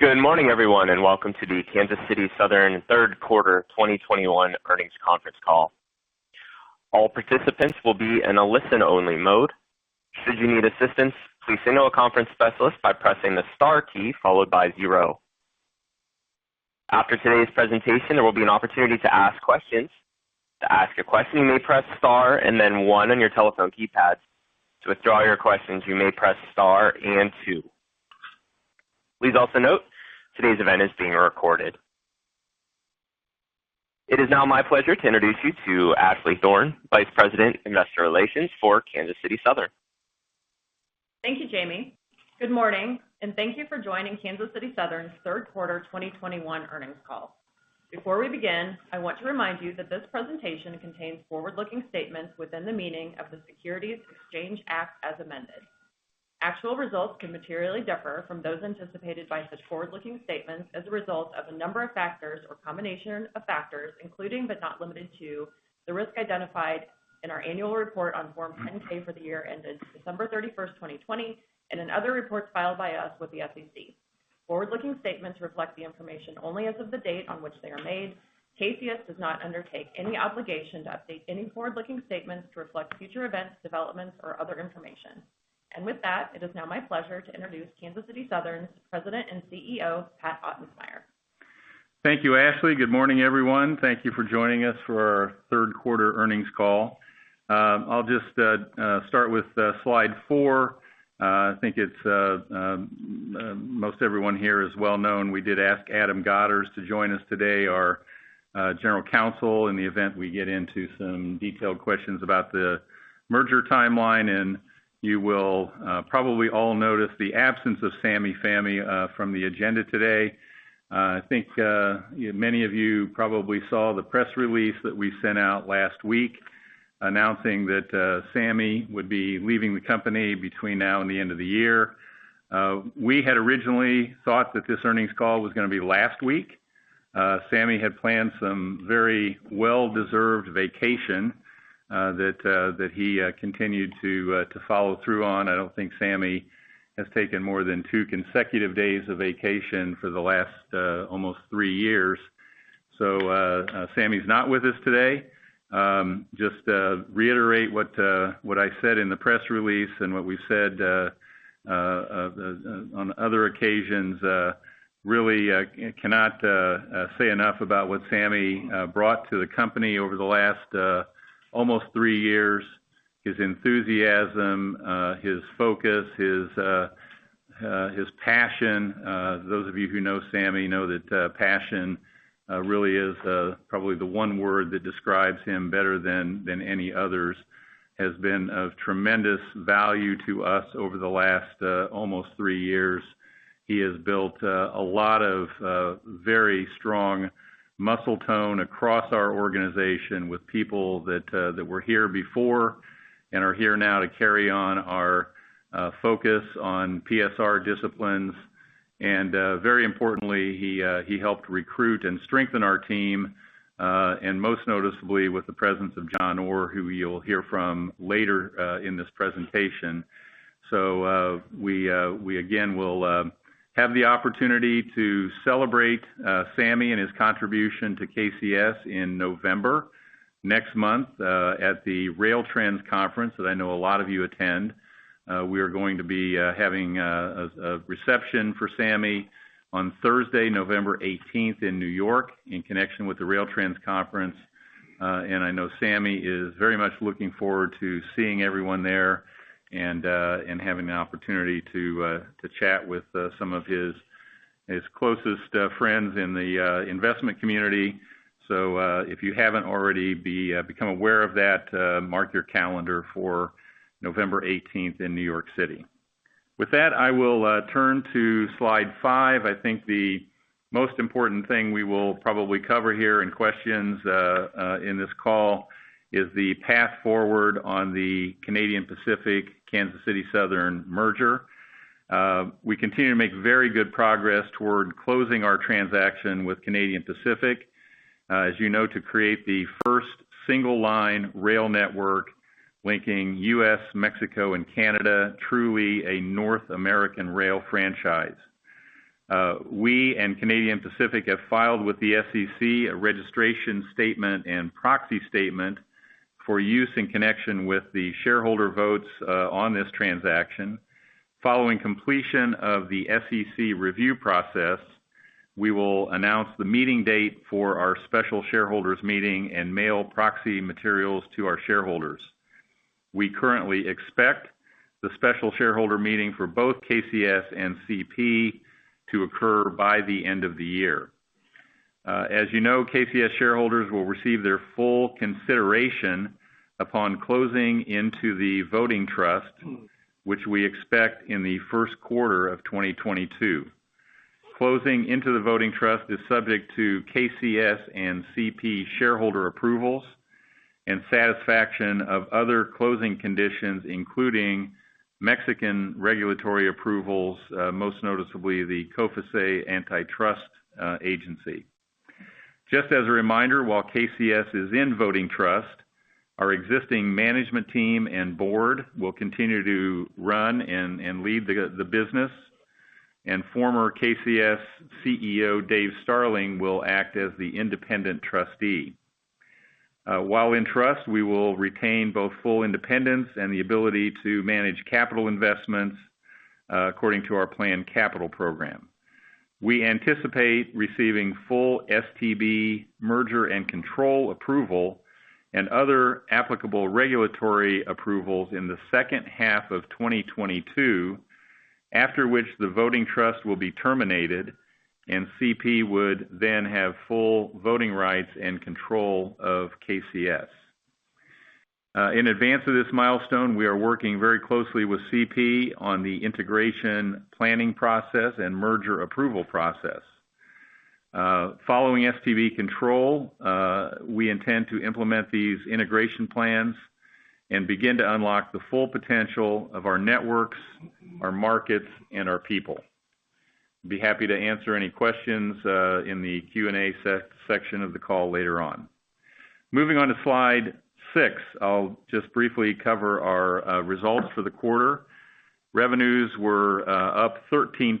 Good morning, everyone, and welcome to the Kansas City SouthernQ3 2021 earnings conference call. It is now my pleasure to introduce you to Ashley Thorne, VP, Investor Relations for Kansas City Southern. Thank you, Jamie. Good morning, thank you for joining Kansas City Southern's Q3 2021 earnings call. Before we begin, I want to remind you that this presentation contains forward-looking statements within the meaning of the Securities Exchange Act as amended. Actual results can materially differ from those anticipated by such forward-looking statements as a result of a number of factors or combination of factors, including but not limited to, the risk identified in our annual report on Form 10-K for the year ended December 31st, 2020, and in other reports filed by us with the SEC. Forward-looking statements reflect the information only as of the date on which they are made. KCS does not undertake any obligation to update any forward-looking statements to reflect future events, developments, or other information. With that, it is now my pleasure to introduce Kansas City Southern's President and CEO, Pat Ottensmeyer. Thank you, Ashley. Good morning, everyone. Thank you for joining us for our Q3 earnings call. I'll just start with slide four. I think it's most everyone here is well known. We did ask Adam Godderz to join us today, our general counsel, in the event we get into some detailed questions about the merger timeline, and you will probably all notice the absence of Sameh Fahmy from the agenda today. I think many of you probably saw the press release that we sent out last week announcing that Sameh would be leaving the company between now and the end of the year. We had originally thought that this earnings call was going to be last week. Sameh had planned some very well-deserved vacation that he continued to follow through on. I don't think Sammy has taken more than two consecutive days of vacation for the last almost three years. Sammy's not with us today. Just to reiterate what I said in the press release and what we've said on other occasions, really cannot say enough about what Sammy brought to the company over the last almost three years. His enthusiasm, his focus, his passion, those of you who know Sammy know that passion really is probably the one word that describes him better than any others, has been of tremendous value to us over the last almost three years. He has built a lot of very strong muscle tone across our organization with people that were here before and are here now to carry on our focus on PSR disciplines. Very importantly, he helped recruit and strengthen our team, most noticeably with the presence of John Orr, who you'll hear from later in this presentation. We again will have the opportunity to celebrate Sammy and his contribution to KCS in November, next month, at the RailTrends Conference that I know a lot of you attend. We are going to be having a reception for Sammy on Thursday, November 18th in New York in connection with the RailTrends Conference. I know Sammy is very much looking forward to seeing everyone there and having an opportunity to chat with some of his closest friends in the investment community. If you haven't already become aware of that, mark your calendar for November 18th in New York City. With that, I will turn to slide five. I think the most important thing we will probably cover here in questions in this call is the path forward on the Canadian Pacific-Kansas City Southern merger. We continue to make very good progress toward closing our transaction with Canadian Pacific, as you know, to create the first single line rail network linking U.S., Mexico, and Canada, truly a North American rail franchise. We and Canadian Pacific have filed with the SEC a registration statement and proxy statement for use in connection with the shareholder votes on this transaction. Following completion of the SEC review process, we will announce the meeting date for our special shareholders meeting and mail proxy materials to our shareholders. We currently expect the special shareholder meeting for both KCS and CP to occur by the end of the year. As you know, KCS shareholders will receive their full consideration upon closing into the voting trust, which we expect in the Q1 of 2022. Closing into the voting trust is subject to KCS and CP shareholder approvals and satisfaction of other closing conditions, including Mexican regulatory approvals, most noticeably the COFECE antitrust agency. As a reminder, while KCS is in voting trust, our existing management team and board will continue to run and lead the business, and former KCS CEO, Dave Starling, will act as the independent trustee. While in trust, we will retain both full independence and the ability to manage capital investments according to our planned capital program. We anticipate receiving full STB merger and control approval and other applicable regulatory approvals in the second half of 2022, after which the voting trust will be terminated and CP would then have full voting rights and control of KCS. In advance of this milestone, we are working very closely with CP on the integration planning process and merger approval process. Following STB control, we intend to implement these integration plans and begin to unlock the full potential of our networks, our markets, and our people. Be happy to answer any questions in the Q&A section of the call later on. Moving on to slide six, I'll just briefly cover our results for the quarter. Revenues were up 13%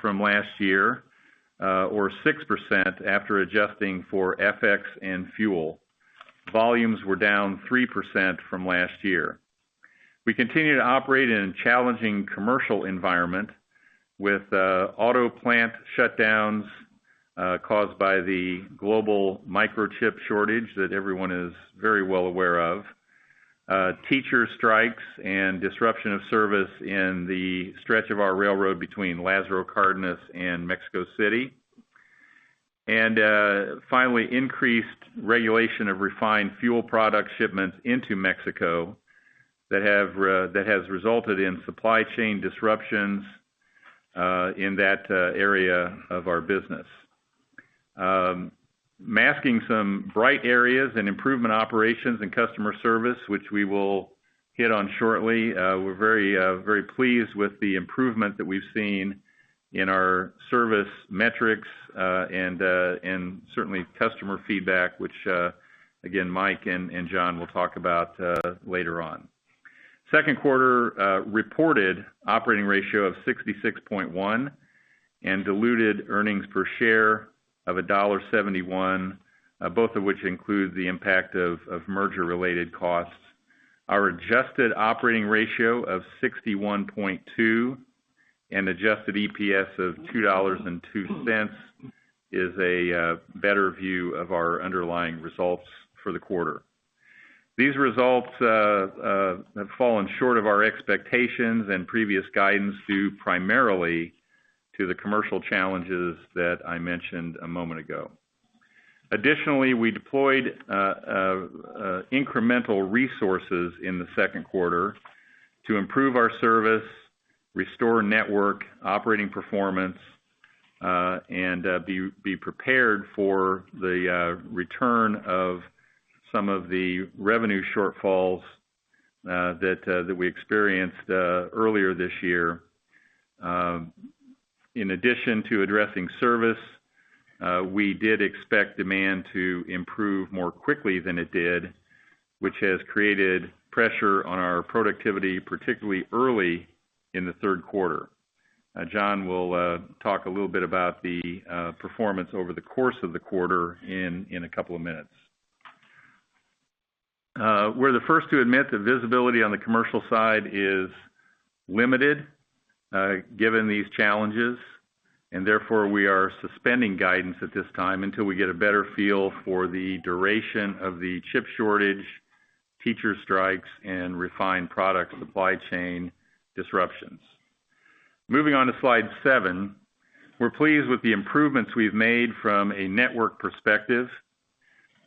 from last year, or six percent after adjusting for FX and fuel. Volumes were down three percent from last year. We continue to operate in a challenging commercial environment with auto plant shutdowns caused by the global microchip shortage that everyone is very well aware of, teacher strikes and disruption of service in the stretch of our railroad between Lazaro Cardenas and Mexico City. Finally, increased regulation of refined fuel product shipments into Mexico that has resulted in supply chain disruptions in that area of our business. Masking some bright areas in improvement operations and customer service, which we will hit on shortly. We are very pleased with the improvement that we have seen in our service metrics, and certainly customer feedback, which, again, Mike and John will talk about later on. Q2 reported operating ratio of 66.1 and diluted earnings per share of $1.71, both of which include the impact of merger-related costs. Our adjusted operating ratio of 61.2 and adjusted EPS of $2.02 is a better view of our underlying results for the quarter. These results have fallen short of our expectations and previous guidance due primarily to the commercial challenges that I mentioned a moment ago. We deployed incremental resources in the Q2 to improve our service, restore network operating performance, and be prepared for the return of some of the revenue shortfalls that we experienced earlier this year. In addition to addressing service, we did expect demand to improve more quickly than it did, which has created pressure on our productivity, particularly early in the Q3. John will talk a little bit about the performance over the course of the quarter in a couple of minutes. We're the first to admit that visibility on the commercial side is limited given these challenges, and therefore we are suspending guidance at this time until we get a better feel for the duration of the chip shortage, teacher strikes, and refined product supply chain disruptions. Moving on to slide seven. We're pleased with the improvements we've made from a network perspective.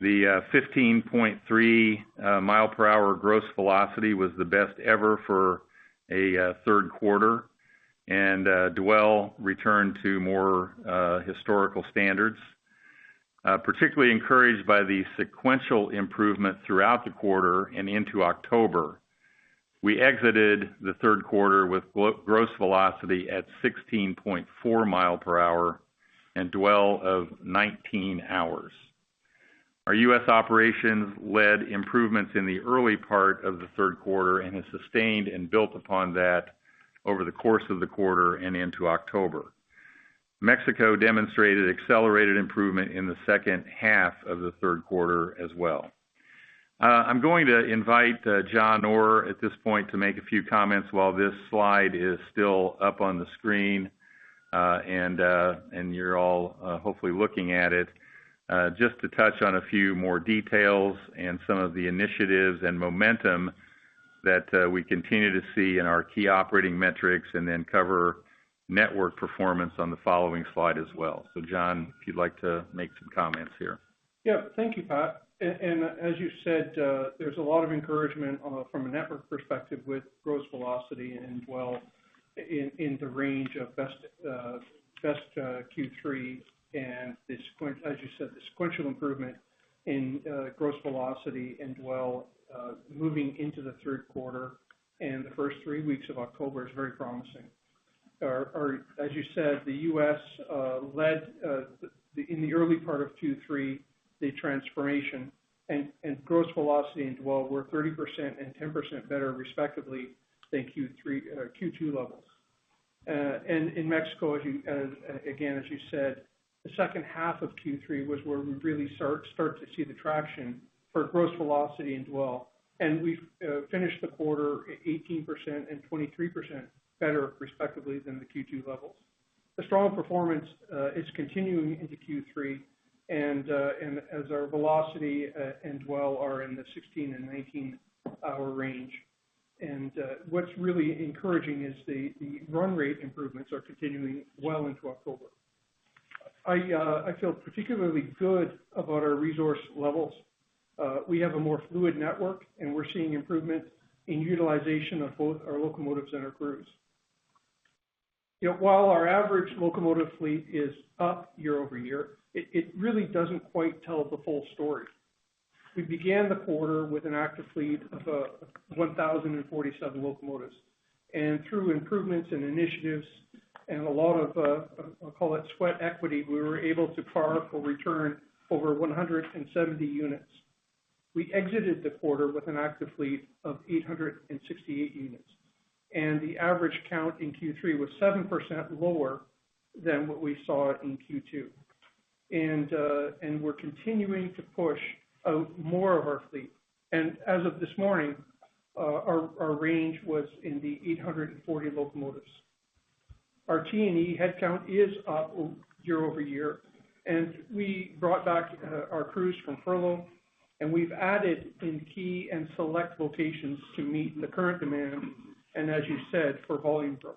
The 15.3 miles per hour gross velocity was the best ever for a Q3, and dwell returned to more historical standards. Particularly encouraged by the sequential improvement throughout the quarter and into October. We exited the Q3 with gross velocity at 16.4 miles per hour and dwell of 19 hours. Our U.S. operations led improvements in the early part of the Q3 and have sustained and built upon that over the course of the quarter and into October. Mexico demonstrated accelerated improvement in the second half of the Q3 as well. I'm going to invite John Orr at this point to make a few comments while this slide is still up on the screen, and you're all hopefully looking at it. Just to touch on a few more details and some of the initiatives and momentum that we continue to see in our key operating metrics, and then cover network performance on the following slide as well. John, if you'd like to make some comments here. Yeah. Thank you, Pat. As you said, there's a lot of encouragement from a network perspective with gross velocity and dwell in the range of best Q3 and as you said, the sequential improvement in gross velocity and dwell moving into the third quarter and the first three weeks of October is very promising. As you said, the U.S. led in the early part of Q3, the transformation and gross velocity and dwell were 30% and 10% better respectively than Q2 levels. In Mexico, again as you said, the second half of Q3 was where we really start to see the traction for gross velocity and dwell, and we finished the quarter 18% and 23% better respectively than the Q2 levels. The strong performance is continuing into Q3, and as our velocity and dwell are in the 16 and 19 hour range. What's really encouraging is the run rate improvements are continuing well into October. I feel particularly good about our resource levels. We have a more fluid network, and we're seeing improvement in utilization of both our locomotives and our crews. While our average locomotive fleet is up year-over-year, it really doesn't quite tell the full story. We began the quarter with an active fleet of 1,047 locomotives, and through improvements and initiatives and a lot of, I'll call it sweat equity, we were able to park or return over 170 units. We exited the quarter with an active fleet of 868 units, and the average count in Q3 was seven percent lower than what we saw in Q2. We're continuing to push out more of our fleet. As of this morning, our range was in the 840 locomotives. Our T&E headcount is up year-over-year, and we brought back our crews from furlough, and we've added in key and select locations to meet the current demand, and as you said, for volume growth.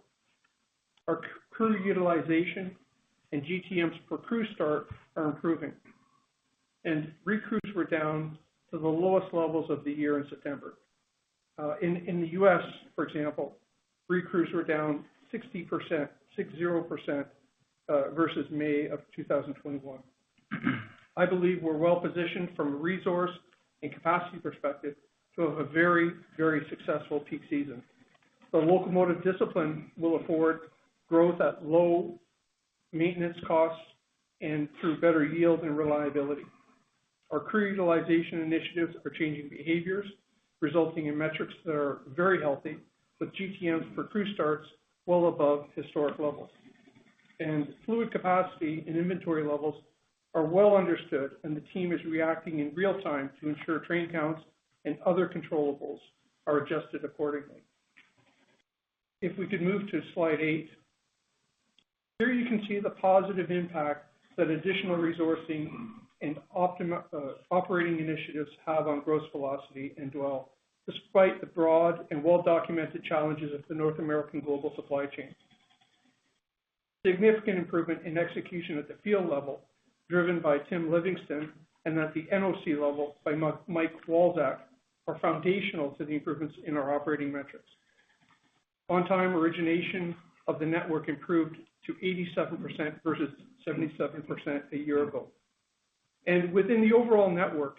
Our crew utilization and GTMs per crew start are improving, and recrews were down to the lowest levels of the year in September. In the U.S., for example, recrews were down 60% versus May of 2021. I believe we're well positioned from a resource and capacity perspective to have a very, very successful peak season. The locomotive discipline will afford growth at low maintenance costs and through better yield and reliability. Our crew utilization initiatives are changing behaviors, resulting in metrics that are very healthy, with GTMs for crew starts well above historic levels. Fluid capacity and inventory levels are well understood, and the team is reacting in real time to ensure train counts and other controllables are adjusted accordingly. If we could move to slide eight. Here you can see the positive impact that additional resourcing and operating initiatives have on gross velocity and dwell, despite the broad and well-documented challenges of the North American global supply chain. Significant improvement in execution at the field level, driven by Timothy Livingston, and at the NOC level by Mike Walczak, are foundational to the improvements in our operating metrics. On-time origination of the network improved to 87% versus 77% a year ago. Within the overall network,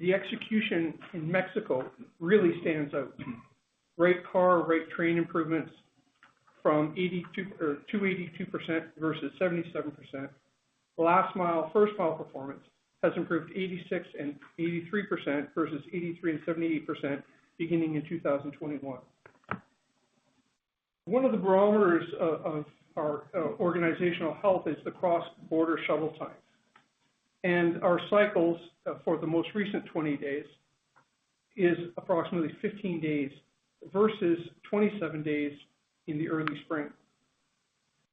the execution in Mexico really stands out. Rate car, rate train improvements from 282% versus 77%. Last mile, first mile performance has improved 86% and 83% versus 83% and 78% beginning in 2021. One of the barometers of our organizational health is the cross-border shuttle times. Our cycles for the most recent 20 days is approximately 15 days versus 27 days in the early spring.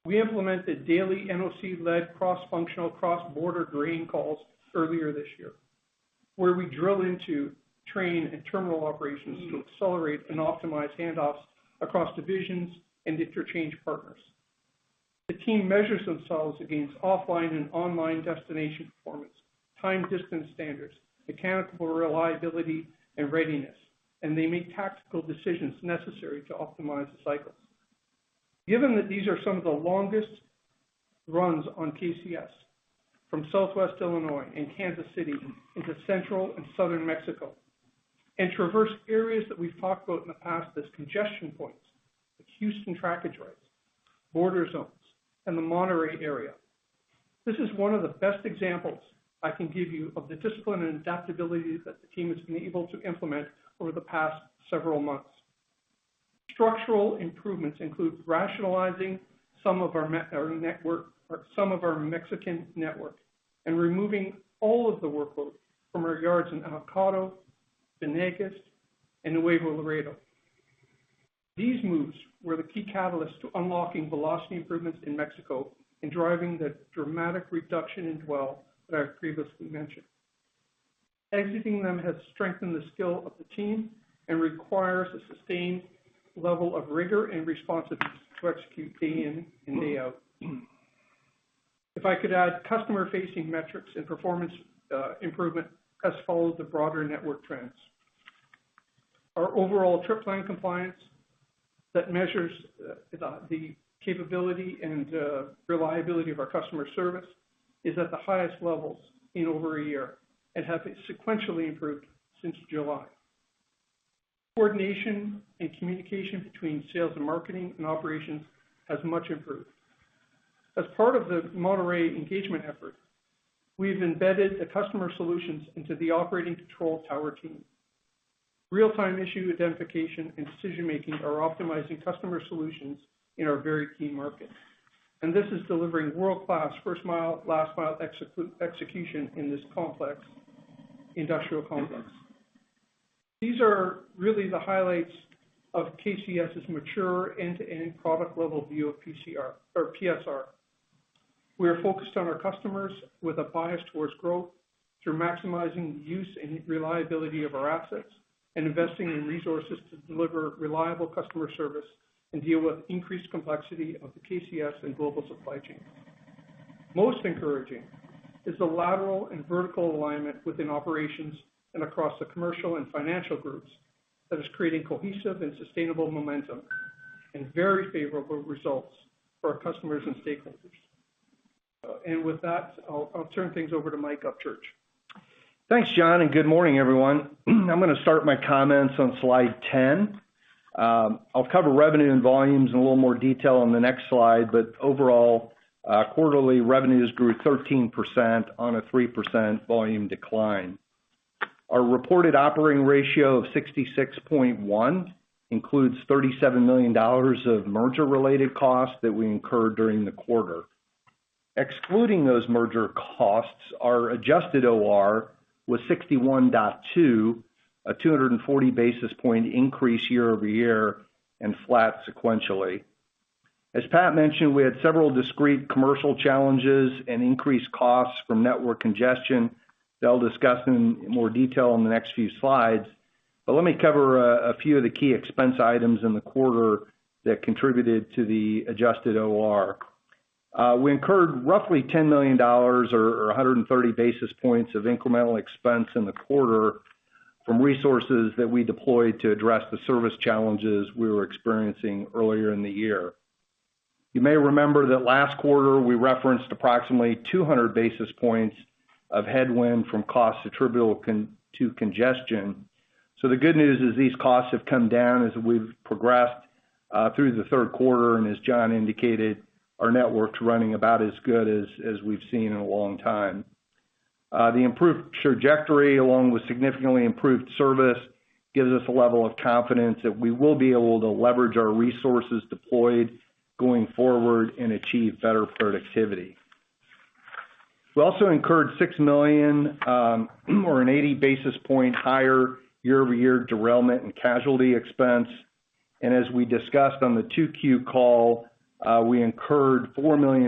We implemented daily NOC-led cross-functional, cross-border grain calls earlier this year, where we drill into train and terminal operations to accelerate and optimize handoffs across divisions and interchange partners. The team measures themselves against offline and online destination performance, time distance standards, mechanical reliability, and readiness, and they make tactical decisions necessary to optimize the cycles. Given that these are some of the longest runs on KCS, from Southwest Illinois and Kansas City into Central and Southern Mexico, and traverse areas that we've talked about in the past as congestion points like Houston track adjacents, border zones, and the Monterrey area, this is one of the best examples I can give you of the discipline and adaptability that the team has been able to implement over the past several months. Structural improvements include rationalizing some of our Mexican network and removing all of the workload from our yards in Alameda, Venegas, and Nuevo Laredo. These moves were the key catalyst to unlocking velocity improvements in Mexico and driving the dramatic reduction in dwell that I previously mentioned. Executing them has strengthened the skill of the team and requires a sustained level of rigor and responsiveness to execute day in and day out. If I could add customer-facing metrics and performance improvement has followed the broader network trends. Our overall trip line compliance that measures the capability and reliability of our customer service is at the highest levels in over a year and has sequentially improved since July. Coordination and communication between sales and marketing and operations has much improved. As part of the Monterrey engagement effort, we have embedded the customer solutions into the operating control tower team. Real-time issue identification and decision-making are optimizing customer solutions in our very key market. This is delivering world-class first mile, last mile execution in this complex industrial complex. These are really the highlights of KCS's mature end-to-end product level view of PSR. We are focused on our customers with a bias towards growth through maximizing use and reliability of our assets and investing in resources to deliver reliable customer service and deal with increased complexity of the KCS and global supply chain. Most encouraging is the lateral and vertical alignment within operations and across the commercial and financial groups that is creating cohesive and sustainable momentum and very favorable results for our customers and stakeholders. With that, I'll turn things over to Mike Upchurch. Thanks, John, and good morning, everyone. I am going to start my comments on slide 10. I will cover revenue and volumes in a little more detail on the next slide, but overall, quarterly revenues grew 13% on a three percent volume decline. Our reported operating ratio of 66.1 includes $37 million of merger-related costs that we incurred during the quarter. Excluding those merger costs, our adjusted OR was 61.2, a 240 basis point increase year-over-year and flat sequentially. As Pat mentioned, we had several discrete commercial challenges and increased costs from network congestion that I will discuss in more detail in the next few slides. Let me cover a few of the key expense items in the quarter that contributed to the adjusted OR. We incurred roughly $10 million or 130 basis points of incremental expense in the quarter from resources that we deployed to address the service challenges we were experiencing earlier in the year. You may remember that last quarter we referenced approximately 200 basis points of headwind from costs attributable to congestion. The good news is these costs have come down as we've progressed through the Q3, and as John indicated, our network's running about as good as we've seen in a long time. The improved trajectory, along with significantly improved service, gives us a level of confidence that we will be able to leverage our resources deployed going forward and achieve better productivity. We also incurred $6 million or an 80 basis point higher year-over-year derailment and casualty expense. As we discussed on the 2Q call, we incurred $4 million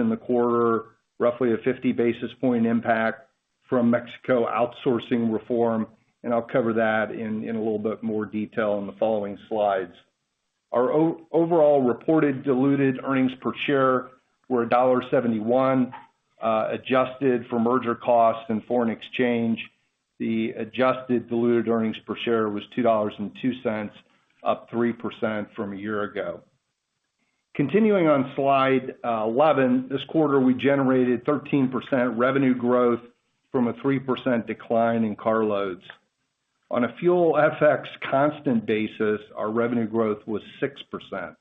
in the quarter, roughly a 50 basis point impact from Mexico outsourcing reform, and I'll cover that in a little bit more detail in the following slides. Our overall reported diluted earnings per share were $1.71. Adjusted for merger costs and foreign exchange, the adjusted diluted earnings per share was $2.02, up 3% from a year ago. Continuing on slide 11, this quarter, we generated 13% revenue growth from a three percent decline in carloads. On a fuel FX constant basis, our revenue growth was 6%.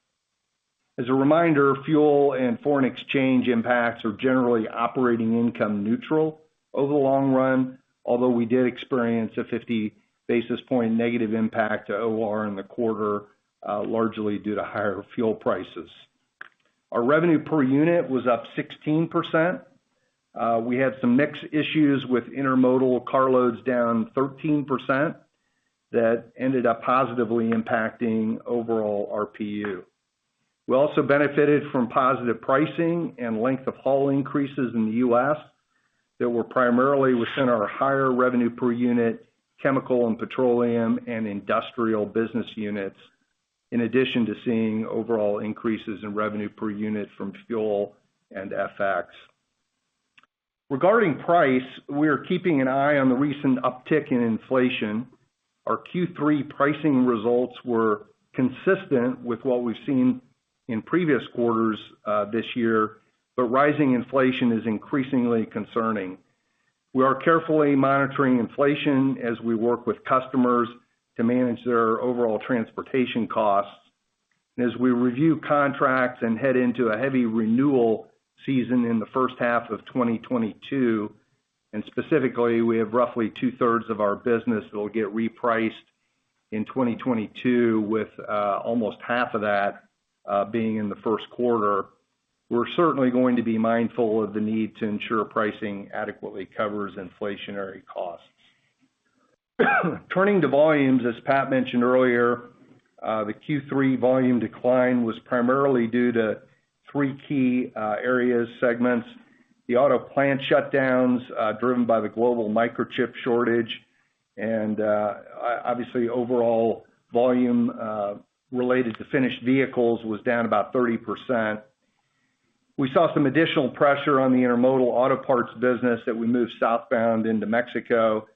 As a reminder, fuel and foreign exchange impacts are generally operating income neutral over the long run, although we did experience a 50 basis point negative impact to OR in the quarter, largely due to higher fuel prices. Our revenue per unit was up 16%. We had some mix issues with intermodal car loads down 13% that ended up positively impacting overall RPU. We also benefited from positive pricing and length-of-haul increases in the U.S. that were primarily within our higher revenue per unit chemical and petroleum and industrial business units, in addition to seeing overall increases in revenue per unit from fuel and FX. Regarding price, we are keeping an eye on the recent uptick in inflation. Our Q3 pricing results were consistent with what we've seen in previous quarters this year. Rising inflation is increasingly concerning. We are carefully monitoring inflation as we work with customers to manage their overall transportation costs. As we review contracts and head into a heavy renewal season in the first half of 2022, and specifically, we have roughly two-thirds of our business that will get repriced in 2022, with almost half of that being in the Q1. We're certainly going to be mindful of the need to ensure pricing adequately covers inflationary costs. Turning to volumes, as Pat mentioned earlier, the Q3 volume decline was primarily due to three key areas, segments, the auto plant shutdowns driven by the global microchip shortage, and obviously overall volume related to finished vehicles was down about 30%. We saw some additional pressure on the intermodal auto parts business that we moved southbound into Mexico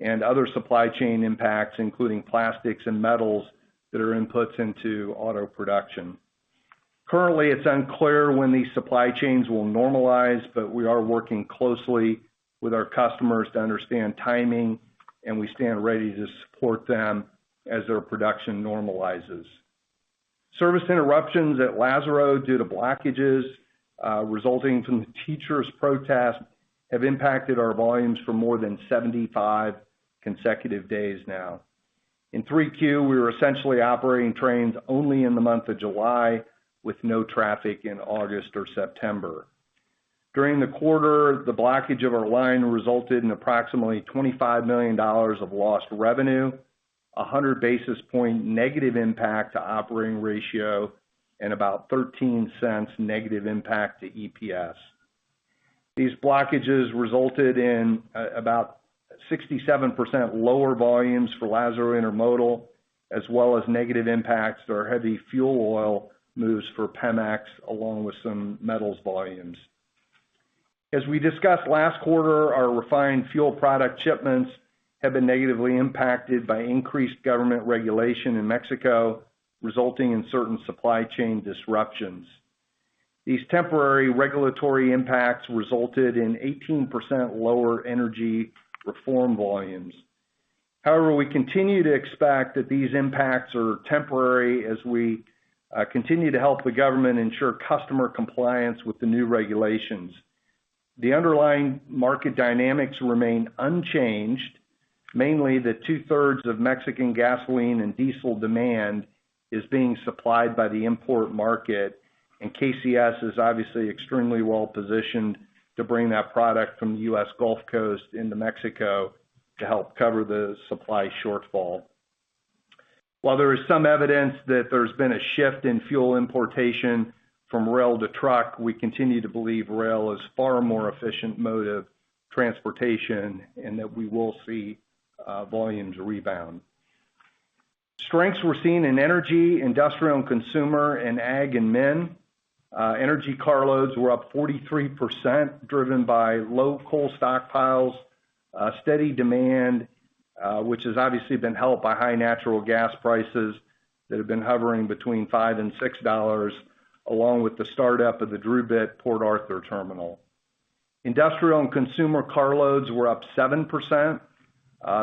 and other supply chain impacts, including plastics and metals that are inputs into auto production. Currently, it's unclear when these supply chains will normalize, but we are working closely with our customers to understand timing, and we stand ready to support them as their production normalizes. Service interruptions at Lázaro due to blockages resulting from the teachers' protests have impacted our volumes for more than 75 consecutive days now. In 3Q, we were essentially operating trains only in the month of July, with no traffic in August or September. During the quarter, the blockage of our line resulted in approximately $25 million of lost revenue, a 100 basis point negative impact to operating ratio, and about $0.13 negative impact to EPS. These blockages resulted in about 67% lower volumes for Lázaro Intermodal, as well as negative impacts to our heavy fuel oil moves for Pemex, along with some metals volumes. As we discussed last quarter, our refined fuel product shipments have been negatively impacted by increased government regulation in Mexico, resulting in certain supply chain disruptions. These temporary regulatory impacts resulted in 18% lower energy reform volumes. We continue to expect that these impacts are temporary as we continue to help the government ensure customer compliance with the new regulations. The underlying market dynamics remain unchanged. Mainly, the 2/3 of Mexican gasoline and diesel demand is being supplied by the import market, and KCS is obviously extremely well-positioned to bring that product from the U.S. Gulf Coast into Mexico to help cover the supply shortfall. While there is some evidence that there's been a shift in fuel importation from rail to truck, we continue to believe rail is far more efficient mode of transportation and that we will see volumes rebound. Strengths we're seeing in energy, industrial and consumer, and ag and min. Energy carloads were up 43%, driven by low coal stockpiles, steady demand, which has obviously been helped by high natural gas prices that have been hovering between $5 and $6, along with the startup of the DRUbit Port Arthur terminal. Industrial and consumer carloads were up seven percent.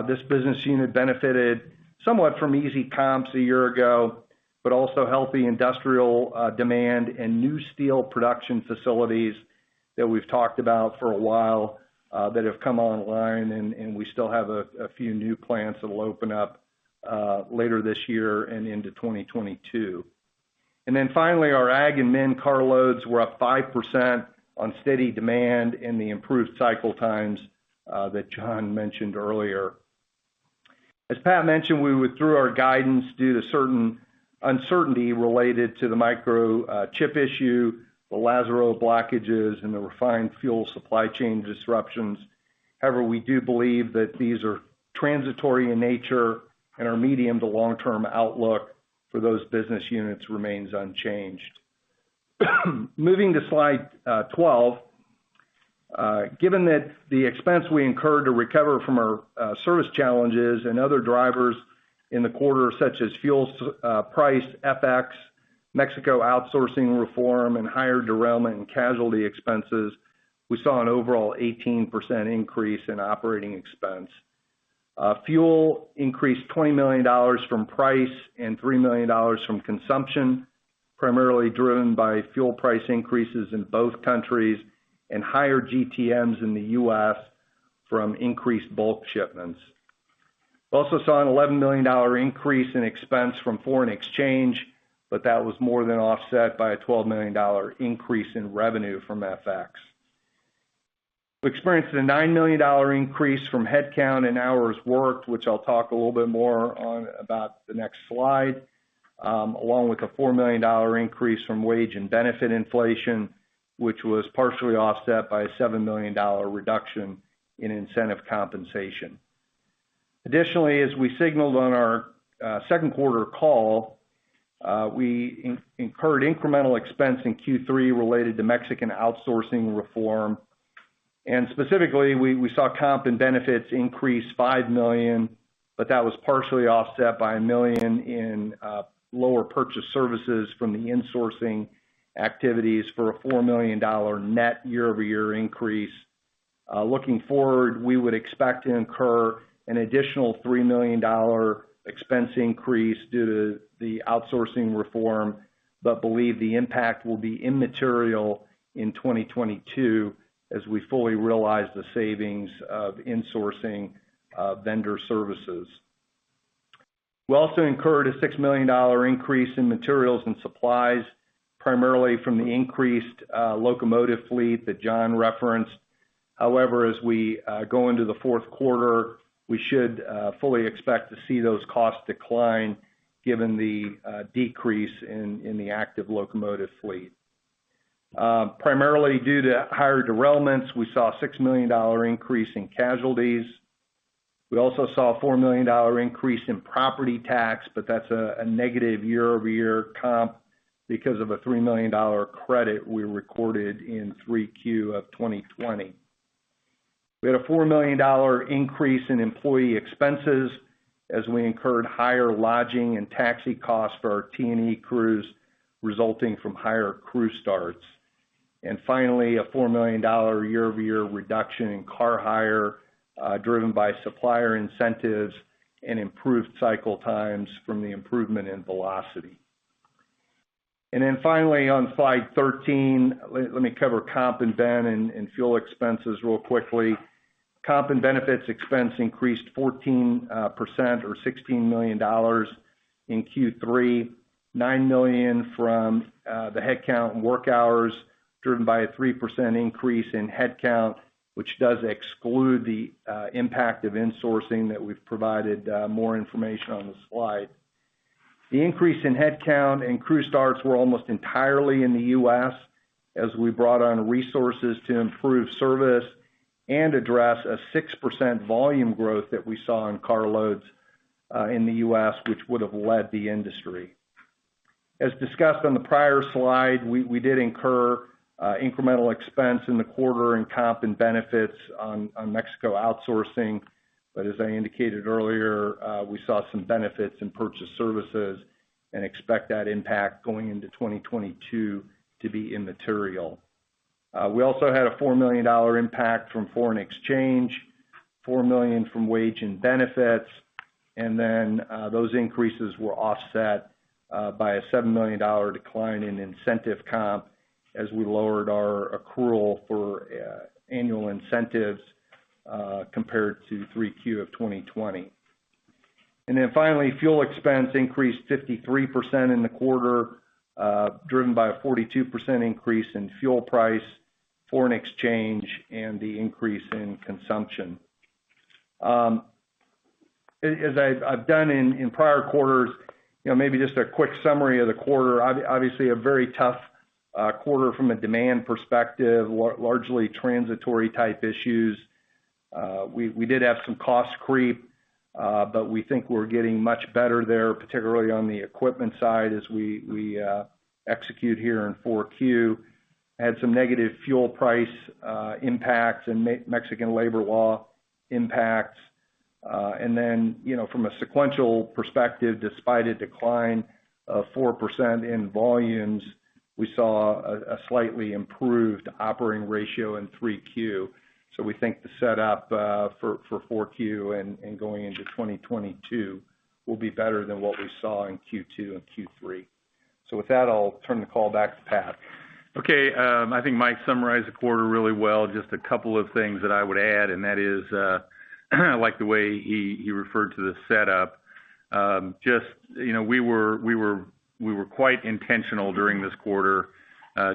This business unit benefited somewhat from easy comps a year ago, but also healthy industrial demand and new steel production facilities that we've talked about for a while that have come online, and we still have a few new plants that'll open up later this year and into 2022. Finally, our ag and min carloads were up five percent on steady demand and the improved cycle times that John mentioned earlier. As Pat mentioned, we withdrew our guidance due to certain uncertainty related to the microchip issue, the Lázaro blockages, and the refined fuel supply chain disruptions. However, we do believe that these are transitory in nature and our medium to long-term outlook for those business units remains unchanged. Moving to slide 12. Given that the expense we incurred to recover from our service challenges and other drivers in the quarter, such as fuel price, FX, Mexico outsourcing reform, and higher derailment and casualty expenses, we saw an overall 18% increase in operating expense. Fuel increased $20 million from price and $3 million from consumption, primarily driven by fuel price increases in both countries and higher GTMs in the U.S. from increased bulk shipments. We also saw an $11 million increase in expense from foreign exchange. That was more than offset by a $12 million increase in revenue from FX. We experienced a $9 million increase from headcount and hours worked, which I'll talk a little bit more on about the next slide, along with a $4 million increase from wage and benefit inflation, which was partially offset by a $7 million reduction in incentive compensation. Additionally, as we signaled on our second quarter call, we incurred incremental expense in Q3 related to Mexico outsourcing reform. Specifically, we saw comp and benefits increase $5 million. That was partially offset by $1 million in lower purchase services from the insourcing activities for a $4 million net year-over-year increase. Looking forward, we would expect to incur an additional $3 million expense increase due to the outsourcing reform, believe the impact will be immaterial in 2022 as we fully realize the savings of insourcing vendor services. We also incurred a $6 million increase in materials and supplies, primarily from the increased locomotive fleet that John referenced. As we go into the fourth quarter, we should fully expect to see those costs decline given the decrease in the active locomotive fleet. Primarily due to higher derailments, we saw a $6 million increase in casualties. We also saw a $4 million increase in property tax, that's a negative year-over-year comp because of a $3 million credit we recorded in 3Q of 2020. We had a $4 million increase in employee expenses as we incurred higher lodging and taxi costs for our T&E crews resulting from higher crew starts. Finally, a $4 million year-over-year reduction in car hire, driven by supplier incentives and improved cycle times from the improvement in velocity. Finally, on slide 13, let me cover comp and ben and fuel expenses real quickly. Comp and benefits expense increased 14% or $16 million in Q3, $9 million from the headcount and work hours driven by a thre percent increase in headcount, which does exclude the impact of insourcing that we've provided more information on this slide. The increase in headcount and crew starts were almost entirely in the U.S. as we brought on resources to improve service and address a six percent volume growth that we saw in car loads in the U.S., which would have led the industry. As discussed on the prior slide, we did incur incremental expense in the quarter in comp and benefits on Mexico outsourcing. As I indicated earlier, we saw some benefits in purchase services and expect that impact going into 2022 to be immaterial. We also had a $4 million impact from foreign exchange, $4 million from wage and benefits, those increases were offset by a $7 million decline in incentive comp as we lowered our accrual for annual incentives compared to 3Q of 2020. Finally, fuel expense increased 53% in the quarter, driven by a 42% increase in fuel price, foreign exchange, and the increase in consumption. As I've done in prior quarters, maybe just a quick summary of the quarter, obviously a very tough quarter from a demand perspective, largely transitory type issues. We did have some cost creep, but we think we're getting much better there, particularly on the equipment side as we execute here in 4Q. Had some negative fuel price impacts and Mexican labor law impacts. From a sequential perspective, despite a decline of 4% in volumes, we saw a slightly improved operating ratio in 3Q. We think the setup for 4Q and going into 2022 will be better than what we saw in Q2 and Q3. With that, I'll turn the call back to Pat. Okay. I think Mike summarized the quarter really well. Just a couple of things that I would add, and that is I like the way he referred to the setup. We were quite intentional during this quarter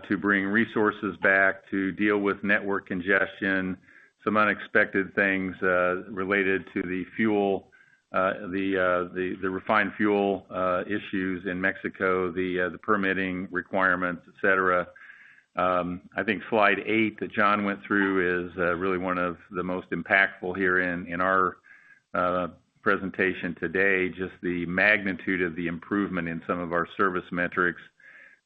to bring resources back to deal with network congestion, some unexpected things related to the refined fuel issues in Mexico, the permitting requirements, et cetera. I think slide 8 that John went through is really one of the most impactful here in our presentation today, just the magnitude of the improvement in some of our service metrics.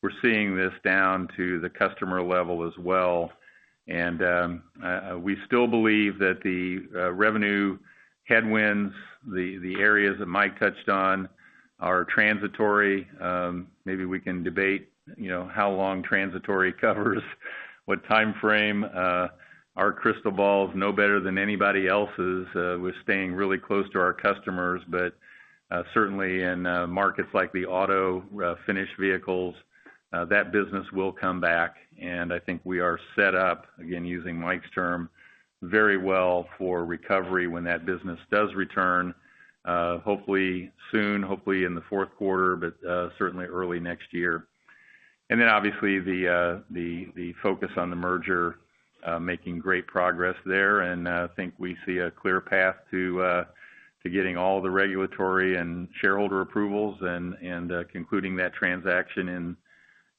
We're seeing this down to the customer level as well. We still believe that the revenue headwinds, the areas that Mike touched on, are transitory. Maybe we can debate how long transitory covers, what time frame. Our crystal ball is no better than anybody else's. We're staying really close to our customers. Certainly in markets like the auto finished vehicles, that business will come back. I think we are set up, again, using Mike's term, very well for recovery when that business does return. Hopefully soon, hopefully in the fourth quarter, but certainly early next year. Obviously the focus on the merger, making great progress there. I think we see a clear path to getting all the regulatory and shareholder approvals and concluding that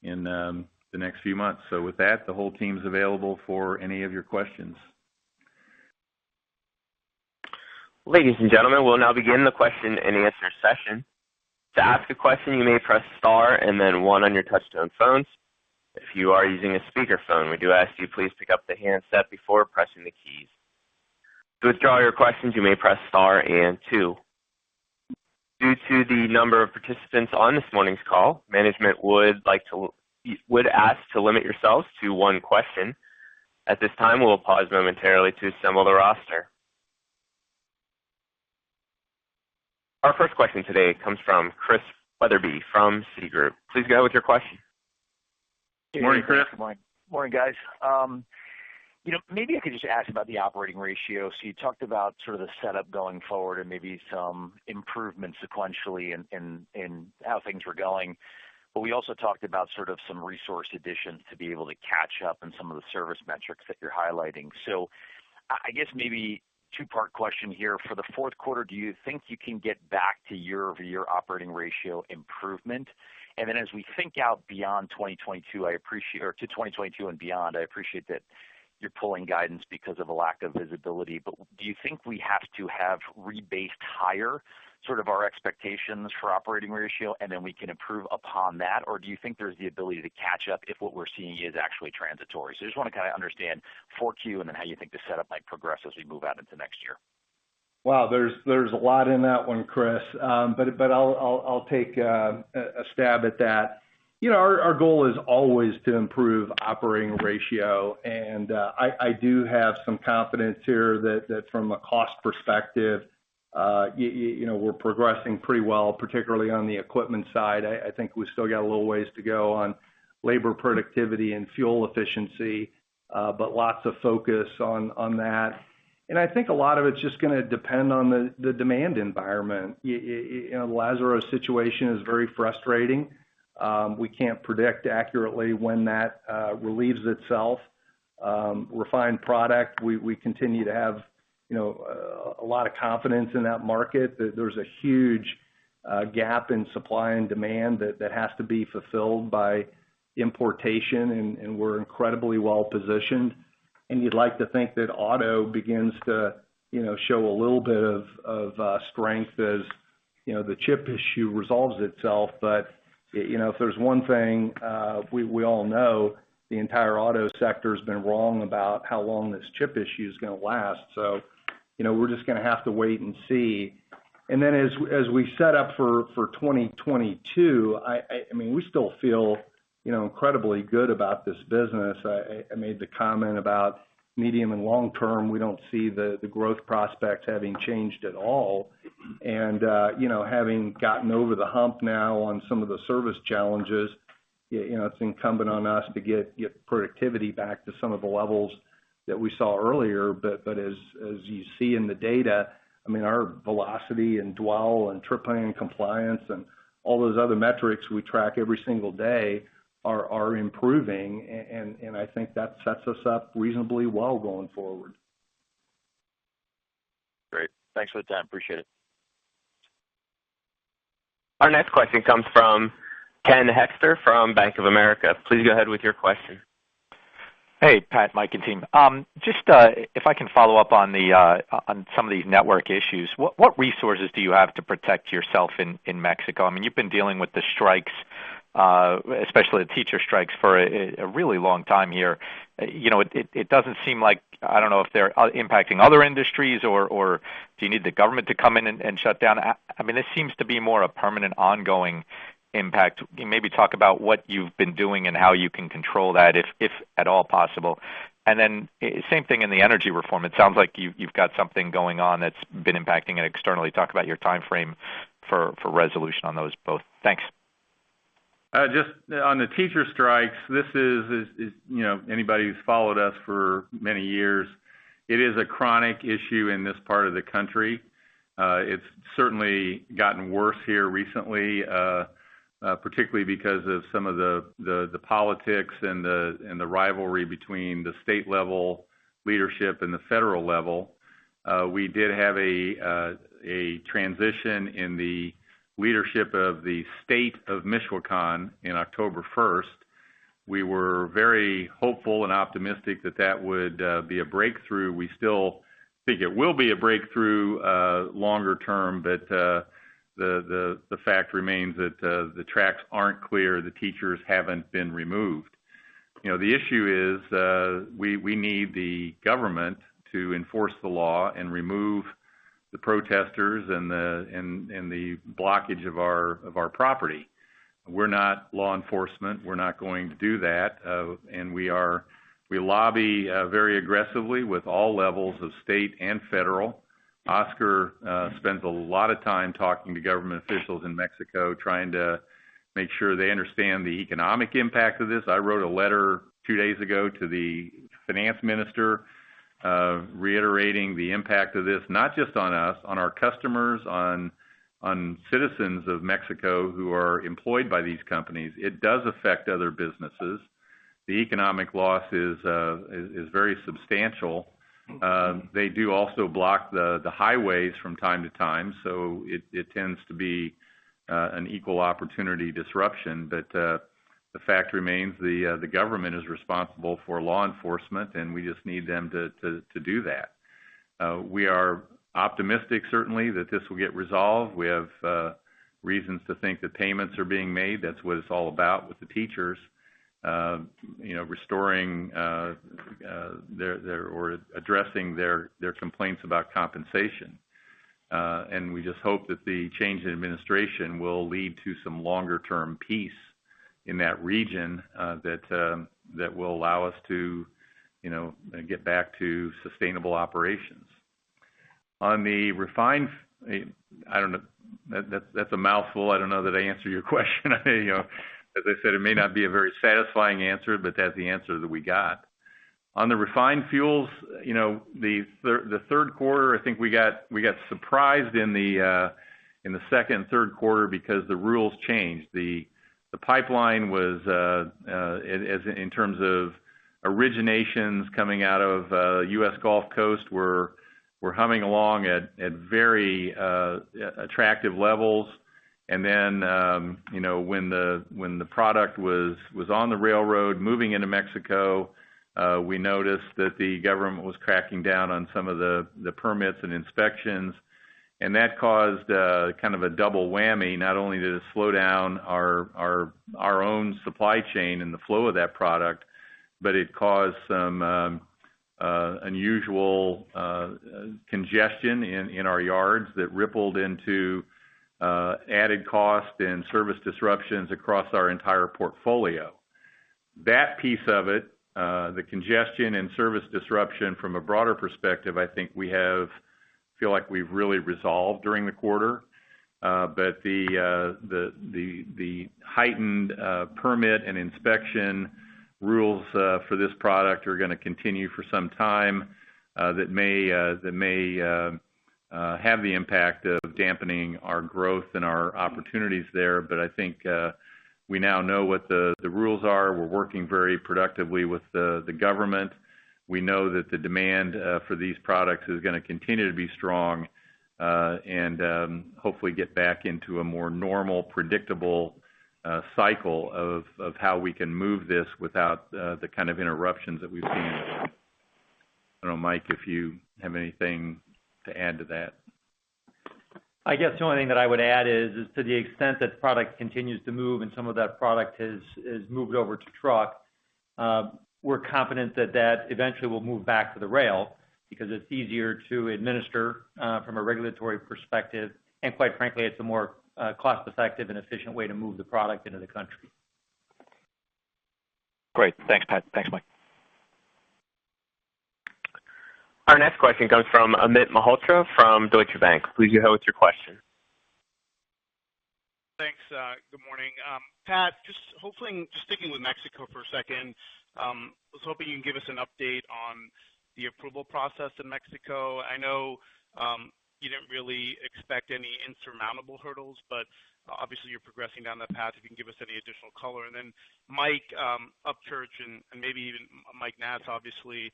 transaction in the next few months. With that, the whole team is available for any of your questions. Ladies and gentlemen, we'll now begin the question and answer session. Due to the number of participants on this morning's call, management would ask to limit yourselves to one question. At this time, we will pause momentarily to assemble the roster. Our first question today comes from Christian Wetherbee from Citigroup. Please go ahead with your question. Morning, Chris. Morning, guys. Maybe I could just ask about the operating ratio. You talked about sort of the setup going forward and maybe some improvement sequentially in how things were going. We also talked about sort of some resource additions to be able to catch up in some of the service metrics that you're highlighting. I guess maybe two-part question here. For the fourth quarter, do you think you can get back to year-over-year operating ratio improvement? As we think out to 2022 and beyond, I appreciate that you're pulling guidance because of a lack of visibility, but do you think we have to have rebased higher sort of our expectations for operating ratio, and then we can improve upon that? Do you think there's the ability to catch up if what we're seeing is actually transitory? I just want to kind of understand 4Q and then how you think the setup might progress as we move out into next year. Wow, there's a lot in that one, Chris. I'll take a stab at that. Our goal is always to improve operating ratio, and I do have some confidence here that from a cost perspective, we're progressing pretty well, particularly on the equipment side. I think we still got a little ways to go on labor productivity and fuel efficiency, but lots of focus on that. I think a lot of it is just going to depend on the demand environment. The Lazaro situation is very frustrating. We can't predict accurately when that relieves itself. Refined product, we continue to have a lot of confidence in that market. There's a huge gap in supply and demand that has to be fulfilled by importation, and we're incredibly well-positioned. You'd like to think that auto begins to show a little bit of strength as the chip issue resolves itself. If there's 1 thing we all know, the entire auto sector has been wrong about how long this chip issue is going to last. We're just going to have to wait and see. As we set up for 2022, we still feel incredibly good about this business. I made the comment about medium and long term, we don't see the growth prospects having changed at all. Having gotten over the hump now on some of the service challenges, it's incumbent on us to get productivity back to some of the levels that we saw earlier. As you see in the data, our velocity and dwell and trip planning and compliance and all those other metrics we track every single day are improving, and I think that sets us up reasonably well going forward. Great. Thanks for the time. Appreciate it. Our next question comes from Ken Hoexter from Bank of America. Please go ahead with your question. Hey, Pat, Mike, and team. Just if I can follow up on some of these network issues, what resources do you have to protect yourself in Mexico? You've been dealing with the strikes, especially the teacher strikes, for a really long time here. I don't know if they're impacting other industries or do you need the government to come in and shut down? This seems to be more a permanent ongoing impact. Maybe talk about what you've been doing and how you can control that, if at all possible. Same thing in the energy reform. It sounds like you've got something going on that's been impacting it externally. Talk about your timeframe for resolution on those both. Thanks. Just on the teacher strikes, anybody who's followed us for many years, it is a chronic issue in this part of the country. It's certainly gotten worse here recently, particularly because of some of the politics and the rivalry between the state level leadership and the federal level. We did have a transition in the leadership of the state of Michoacan in October 1st. We were very hopeful and optimistic that that would be a breakthrough. We still think it will be a breakthrough longer term, but the fact remains that the tracks aren't clear, the teachers haven't been removed. The issue is we need the government to enforce the law and remove the protesters and the blockage of our property. We're not law enforcement. We're not going to do that. We lobby very aggressively with all levels of state and federal. Oscar spends a lot of time talking to government officials in Mexico, trying to make sure they understand the economic impact of this. I wrote a letter two days ago to the finance minister reiterating the impact of this, not just on us, on our customers, on citizens of Mexico who are employed by these companies. It does affect other businesses. The economic loss is very substantial. They do also block the highways from time to time, so it tends to be an equal opportunity disruption. The fact remains the government is responsible for law enforcement, and we just need them to do that. We are optimistic, certainly, that this will get resolved. We have reasons to think that payments are being made. That's what it's all about with the teachers, restoring or addressing their complaints about compensation. We just hope that the change in administration will lead to some longer-term peace in that region that will allow us to get back to sustainable operations. I don't know. That's a mouthful. I don't know that I answered your question. As I said, it may not be a very satisfying answer, but that's the answer that we got. On the refined fuels, the 3rd quarter, I think we got surprised in the 2nd and 3rd quarter because the rules changed. The pipeline was, in terms of originations coming out of U.S. Gulf Coast, were humming along at very attractive levels. Then when the product was on the railroad moving into Mexico, we noticed that the government was cracking down on some of the permits and inspections That caused kind of a double whammy. Not only did it slow down our own supply chain and the flow of that product, but it caused some unusual congestion in our yards that rippled into added cost and service disruptions across our entire portfolio. That piece of it, the congestion and service disruption from a broader perspective, I think we feel like we've really resolved during the quarter. The heightened permit and inspection rules for this product are going to continue for some time, that may have the impact of dampening our growth and our opportunities there. I think we now know what the rules are. We're working very productively with the government. We know that the demand for these products is going to continue to be strong. Hopefully get back into a more normal, predictable cycle of how we can move this without the kind of interruptions that we've seen. I don't know, Mike, if you have anything to add to that. I guess the only thing that I would add is, to the extent that the product continues to move and some of that product has moved over to truck, we're confident that that eventually will move back to the rail because it's easier to administer from a regulatory perspective, and quite frankly, it's a more cost-effective and efficient way to move the product into the country. Great. Thanks, Pat. Thanks, Mike. Our next question comes from Amit Mehrotra from Deutsche Bank. Please go ahead with your question. Thanks. Good morning. Pat, just sticking with Mexico for a second. I was hoping you can give us an update on the approval process in Mexico. I know, you didn't really expect any insurmountable hurdles. Obviously you're progressing down that path, if you can give us any additional color. Mike Upchurch and maybe even Mike Naatz, obviously,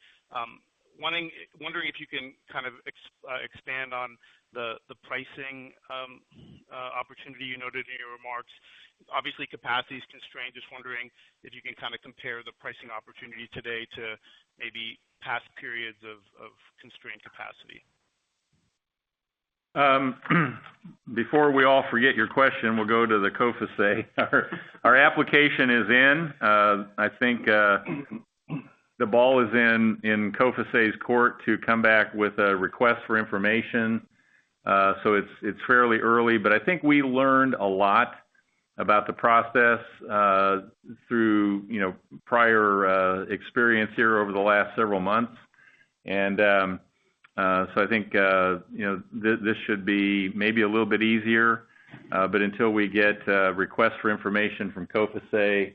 wondering if you can kind of expand on the pricing opportunity you noted in your remarks. Obviously, capacity is constrained. Just wondering if you can kind of compare the pricing opportunity today to maybe past periods of constrained capacity. Before we all forget your question, we'll go to the COFECE. Our application is in. I think the ball is in COFECE's court to come back with a request for information. It's fairly early, but I think we learned a lot about the process through prior experience here over the last several months. I think this should be maybe a little bit easier. Until we get a request for information from COFECE,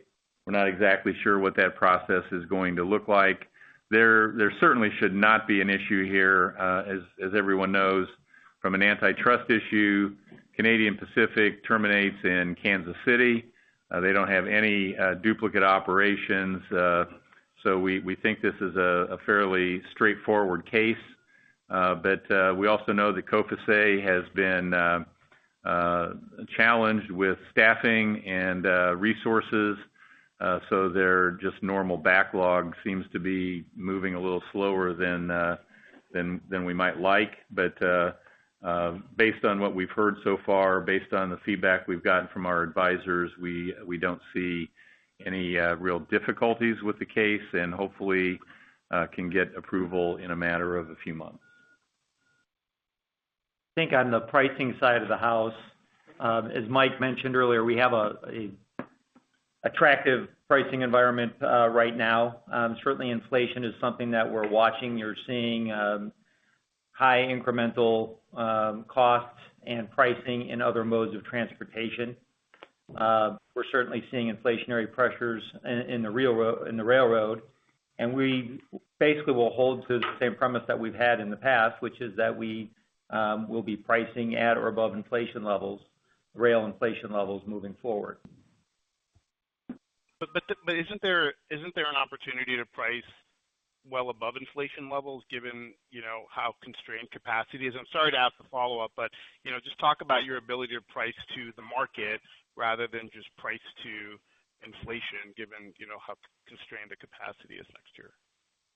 we're not exactly sure what that process is going to look like. There certainly should not be an issue here, as everyone knows, from an antitrust issue. Canadian Pacific terminates in Kansas City. They don't have any duplicate operations. We think this is a fairly straightforward case. We also know that COFECE has been challenged with staffing and resources. Their just normal backlog seems to be moving a little slower than we might like. Based on what we've heard so far, based on the feedback we've gotten from our advisors, we don't see any real difficulties with the case, and hopefully can get approval in a matter of a few months. I think on the pricing side of the house, as Mike mentioned earlier, we have an attractive pricing environment right now. Certainly inflation is something that we're watching. You're seeing high incremental costs and pricing in other modes of transportation. We're certainly seeing inflationary pressures in the railroad, and we basically will hold to the same promise that we've had in the past, which is that we will be pricing at or above inflation levels, rail inflation levels moving forward. Isn't there an opportunity to price well above inflation levels given how constrained capacity is? I'm sorry to ask the follow-up, but just talk about your ability to price to the market rather than just price to inflation, given how constrained the capacity is next year.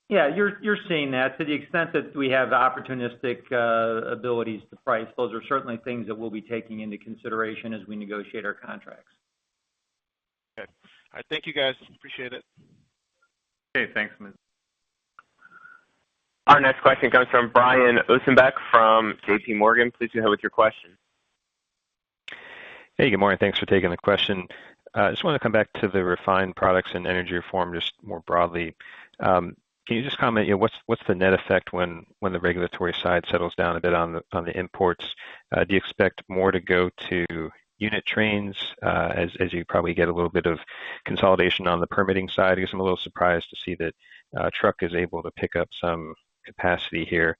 Yeah, you're seeing that. To the extent that we have opportunistic abilities to price, those are certainly things that we'll be taking into consideration as we negotiate our contracts. Okay. All right. Thank you guys. Appreciate it. Okay, thanks, Amit. Our next question comes from Brian Ossenbeck from JPMorgan. Please go ahead with your question. Hey, good morning. Thanks for taking the question. I just wanted to come back to the refined products and energy reform, just more broadly. Can you just comment what's the net effect when the regulatory side settles down a bit on the imports? Do you expect more to go to unit trains, as you probably get a little bit of consolidation on the permitting side? I'm a little surprised to see that truck is able to pick up some capacity here.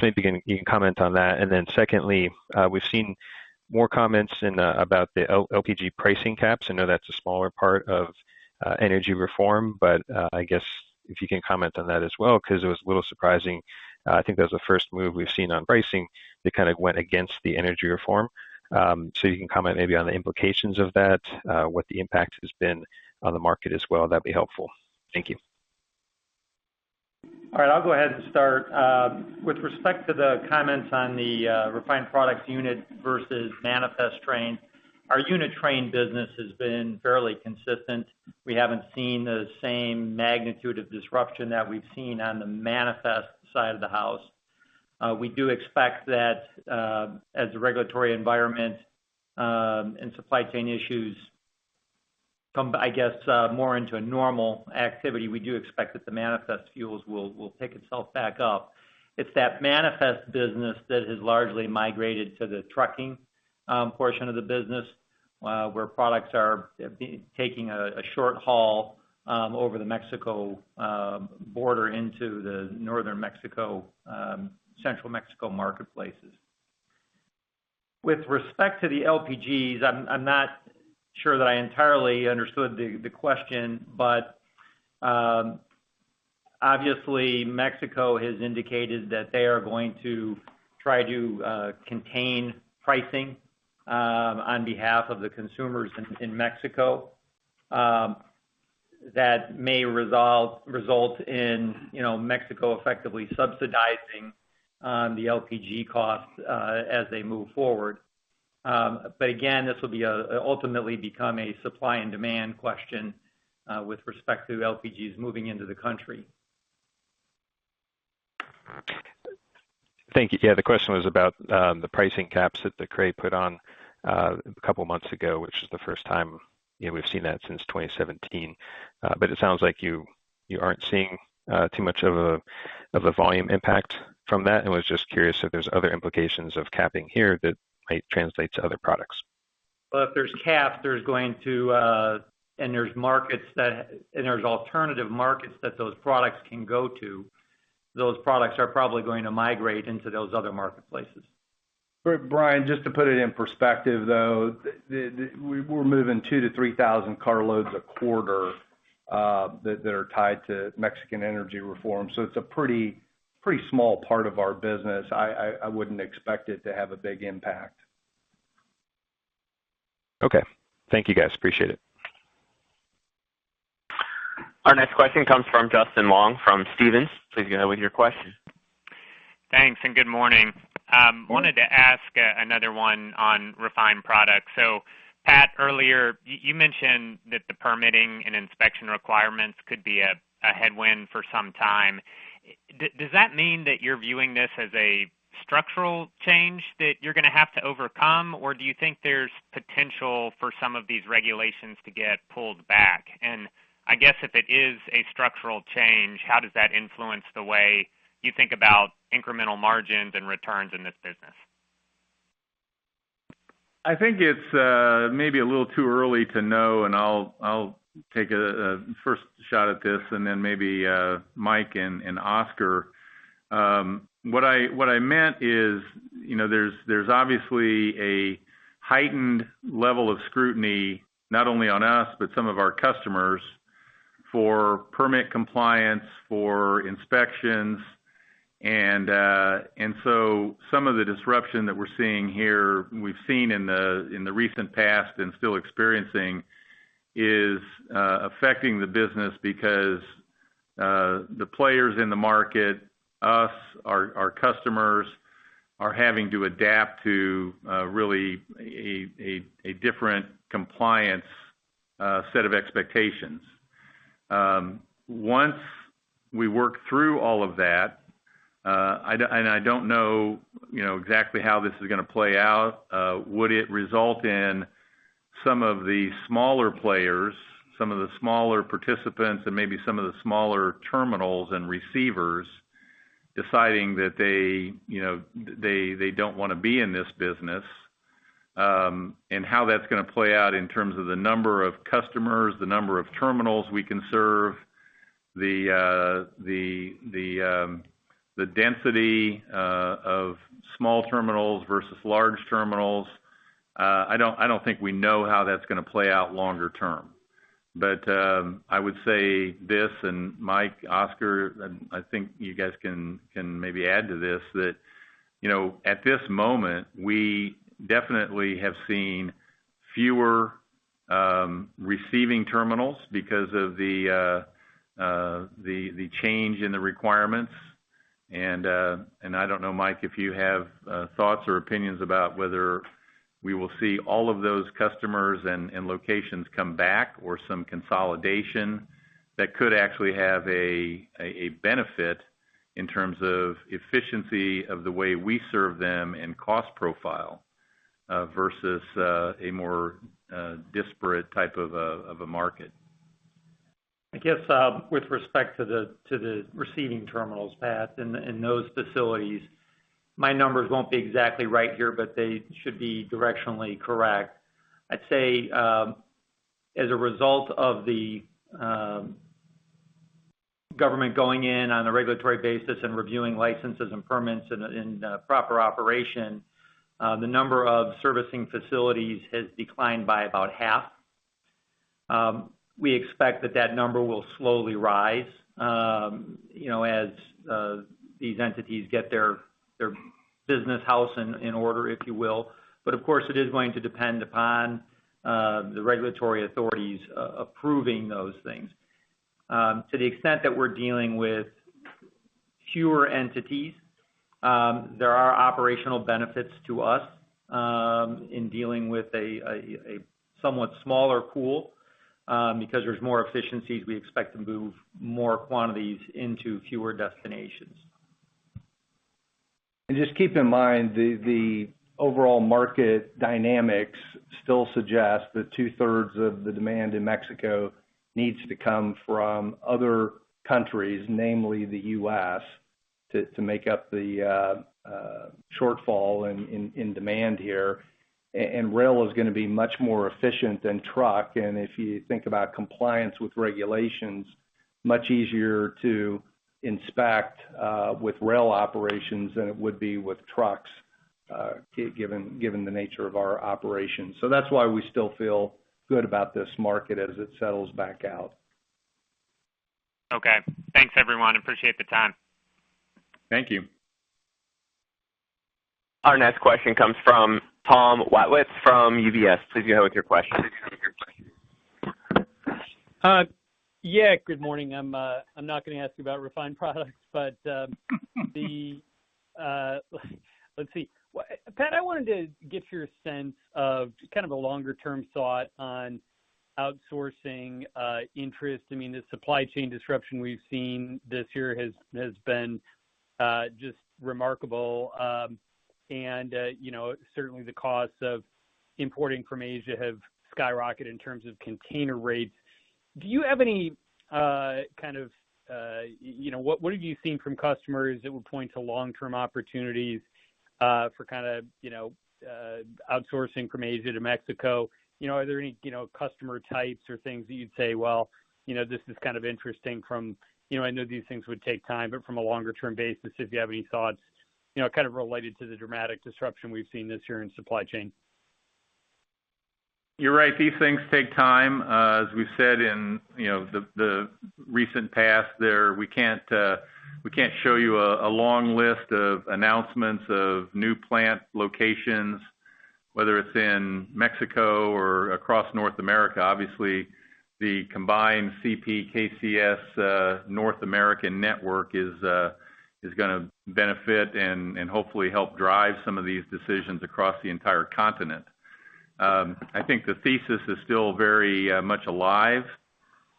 Maybe you can comment on that. Secondly, we've seen more comments about the LPG pricing caps. I know that's a smaller part of energy reform, but I guess if you can comment on that as well, because it was a little surprising. I think that was the first move we've seen on pricing that kind of went against the energy reform. You can comment maybe on the implications of that, what the impact has been on the market as well. That'd be helpful. Thank you. All right. I'll go ahead and start. With respect to the comments on the refined products unit versus manifest train, our unit train business has been fairly consistent. We haven't seen the same magnitude of disruption that we've seen on the manifest side of the house. We do expect that as the regulatory environment and supply chain issues come, I guess, more into a normal activity, we do expect that the manifest fuels will pick itself back up. It's that manifest business that has largely migrated to the trucking portion of the business, where products are taking a short haul over the Mexico border into the Northern Mexico, Central Mexico marketplaces. With respect to the LPGs, I'm not sure that I entirely understood the question, but obviously Mexico has indicated that they are going to try to contain pricing on behalf of the consumers in Mexico. That may result in Mexico effectively subsidizing the LPG costs as they move forward. Again, this will ultimately become a supply and demand question with respect to LPGs moving into the country. Thank you. Yeah, the question was about the pricing caps that the CRE put on a couple of months ago, which is the first time we've seen that since 2017. It sounds like you aren't seeing too much of a volume impact from that, and was just curious if there's other implications of capping here that might translate to other products. Well, if there's caps, and there's alternative markets that those products can go to, those products are probably going to migrate into those other marketplaces. Brian, just to put it in perspective, though, we're moving 2,000 to 3,000 car loads a quarter that are tied to Mexican energy reform. It's a pretty small part of our business. I wouldn't expect it to have a big impact. Okay. Thank you, guys. Appreciate it. Our next question comes from Justin Long from Stephens. Please go ahead with your question. Thanks, and good morning. Good morning. wanted to ask another one on refined products. Pat, earlier, you mentioned that the permitting and inspection requirements could be a headwind for some time. Does that mean that you're viewing this as a structural change that you're going to have to overcome, or do you think there's potential for some of these regulations to get pulled back? I guess if it is a structural change, how does that influence the way you think about incremental margins and returns in this business? I think it's maybe a little too early to know, and I'll take a first shot at this, and then maybe Mike and Oscar. What I meant is, there's obviously a heightened level of scrutiny, not only on us, but some of our customers, for permit compliance, for inspections. Some of the disruption that we're seeing here, we've seen in the recent past and still experiencing, is affecting the business because the players in the market, us, our customers, are having to adapt to really a different compliance set of expectations. Once we work through all of that, and I don't know exactly how this is going to play out, would it result in some of the smaller players, some of the smaller participants, and maybe some of the smaller terminals and receivers deciding that they don't want to be in this business. How that's going to play out in terms of the number of customers, the number of terminals we can serve, the density of small terminals versus large terminals, I don't think we know how that's going to play out longer term. I would say this, and Mike, Oscar, I think you guys can maybe add to this, that at this moment, we definitely have seen fewer receiving terminals because of the change in the requirements. I don't know, Mike, if you have thoughts or opinions about whether we will see all of those customers and locations come back or some consolidation that could actually have a benefit in terms of efficiency of the way we serve them and cost profile versus a more disparate type of a market. I guess with respect to the receiving terminals, Pat, and those facilities, my numbers won't be exactly right here, but they should be directionally correct. I'd say as a result of the government going in on a regulatory basis and reviewing licenses and permits and proper operation, the number of servicing facilities has declined by about half. We expect that that number will slowly rise as these entities get their business house in order, if you will. Of course, it is going to depend upon the regulatory authorities approving those things. To the extent that we're dealing with fewer entities, there are operational benefits to us in dealing with a somewhat smaller pool. There's more efficiencies, we expect to move more quantities into fewer destinations. Just keep in mind, the overall market dynamics still suggest that 2/3 of the demand in Mexico needs to come from other countries, namely the U.S., to make up the shortfall in demand here. Rail is going to be much more efficient than truck, and if you think about compliance with regulations, much easier to inspect with rail operations than it would be with trucks given the nature of our operations. That's why we still feel good about this market as it settles back out. Okay. Thanks, everyone. Appreciate the time. Thank you. Our next question comes from Tom Wadewitz from UBS. Please go ahead with your question. Yeah, good morning. I'm not going to ask you about refined products, but let's see. Pat, I wanted to get your sense of kind of a longer-term thought on outsourcing interest. The supply chain disruption we've seen this year has been just remarkable. Certainly the costs of importing from Asia have skyrocketed in terms of container rates. What have you seen from customers that would point to long-term opportunities for outsourcing from Asia to Mexico? Are there any customer types or things that you'd say, "Well, this is kind of interesting from I know these things would take time, but from a longer-term basis, if you have any thoughts, kind of related to the dramatic disruption we've seen this year in supply chain? You're right. These things take time. As we've said in the recent past, we can't show you a long list of announcements of new plant locations, whether it's in Mexico or across North America. Obviously, the combined CPKC's North American network is going to benefit and hopefully help drive some of these decisions across the entire continent. I think the thesis is still very much alive.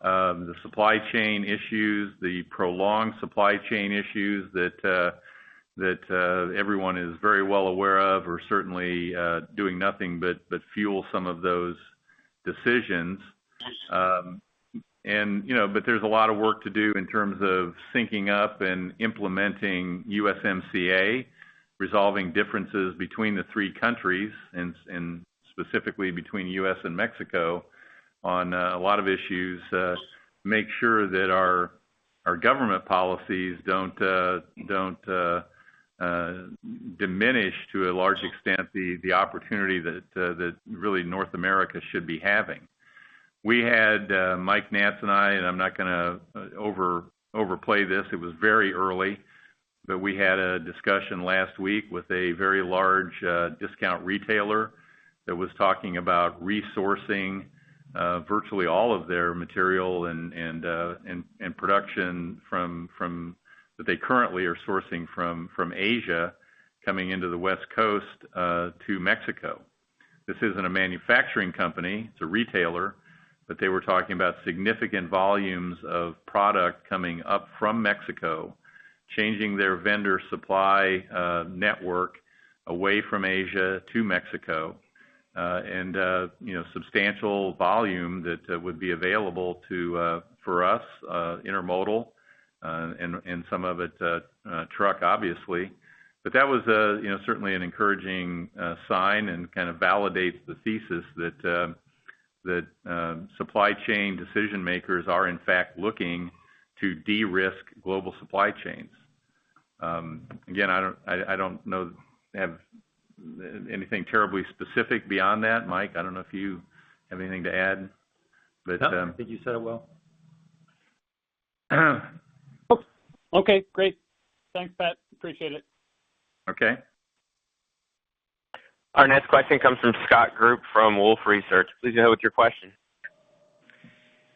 The supply chain issues, the prolonged supply chain issues that everyone is very well aware of, are certainly doing nothing but fuel some of those decisions. Yes. There's a lot of work to do in terms of syncing up and implementing USMCA, resolving differences between the three countries, and specifically between U.S. and Mexico on a lot of issues. Make sure that our government policies don't diminish to a large extent the opportunity that really North America should be having. Mike Naatz and I, and I'm not going to overplay this, it was very early, but we had a discussion last week with a very large discount retailer that was talking about resourcing virtually all of their material and production that they currently are sourcing from Asia, coming into the West Coast, to Mexico. This isn't a manufacturing company, it's a retailer. They were talking about significant volumes of product coming up from Mexico, changing their vendor supply network away from Asia to Mexico. Substantial volume that would be available for us, intermodal, and some of it truck, obviously. That was certainly an encouraging sign and kind of validates the thesis that supply chain decision makers are in fact looking to de-risk global supply chains. Again, I don't have anything terribly specific beyond that. Mike, I don't know if you have anything to add. No, I think you said it well. Okay, great. Thanks, Pat. Appreciate it. Okay. Our next question comes from Scott Group from Wolfe Research. Please go ahead with your question.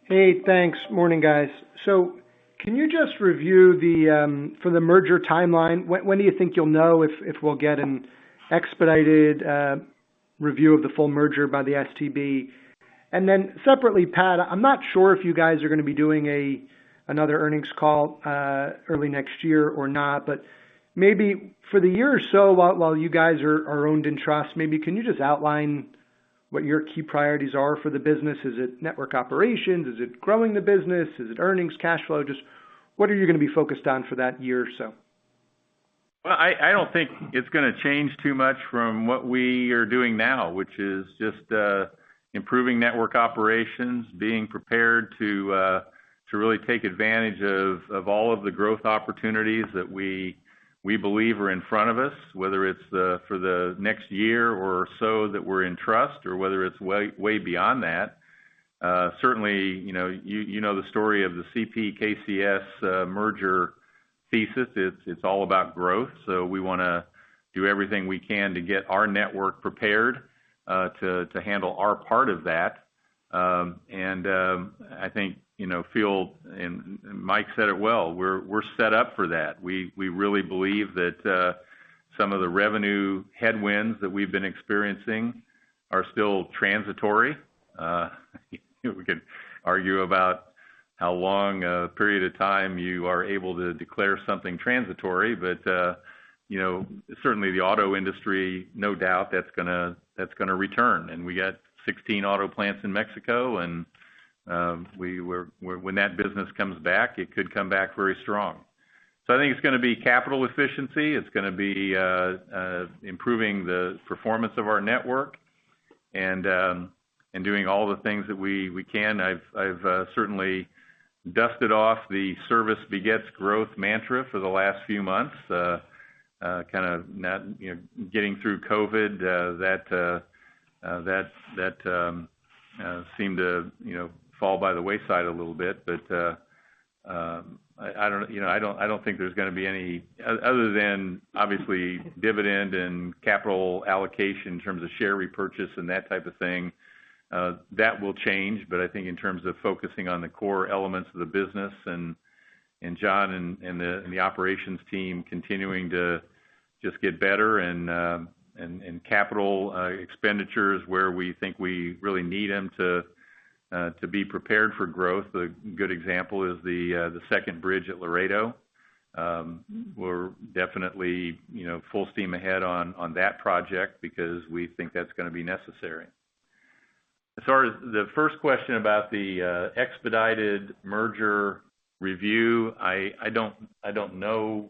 Hey, thanks. Morning, guys. Can you just review, for the merger timeline, when do you think you'll know if we'll get an expedited review of the full merger by the STB? Separately, Pat, I'm not sure if you guys are going to be doing another earnings call early next year or not. Maybe for the year or so while you guys are owned in trust, maybe can you just outline what your key priorities are for the business? Is it network operations? Is it growing the business? Is it earnings, cash flow? Just what are you going to be focused on for that year or so? Well, I don't think it's going to change too much from what we are doing now, which is just improving network operations, being prepared to really take advantage of all of the growth opportunities that we believe are in front of us, whether it's for the next year or so that we're in trust or whether it's way beyond that. Certainly, you know the story of the CP KCS merger thesis. It's all about growth. We want to do everything we can to get our network prepared to handle our part of that. I think, Mike said it well, we're set up for that. We really believe that some of the revenue headwinds that we've been experiencing are still transitory. We could argue about how long a period of time you are able to declare something transitory. Certainly the auto industry, no doubt that's going to return. We got 16 auto plants in Mexico, and when that business comes back, it could come back very strong. I think it's going to be capital efficiency, it's going to be improving the performance of our network, and doing all the things that we can. I've certainly dusted off the service begets growth mantra for the last few months. Kind of getting through COVID, that seemed to fall by the wayside a little bit. I don't think there's going to be any, other than obviously dividend and capital allocation in terms of share repurchase and that type of thing. That will change, but I think in terms of focusing on the core elements of the business, and John and the operations team continuing to just get better and capital expenditures where we think we really need them to be prepared for growth. A good example is the second bridge at Laredo. We're definitely full steam ahead on that project because we think that's going to be necessary. As far as the first question about the expedited merger review, I don't know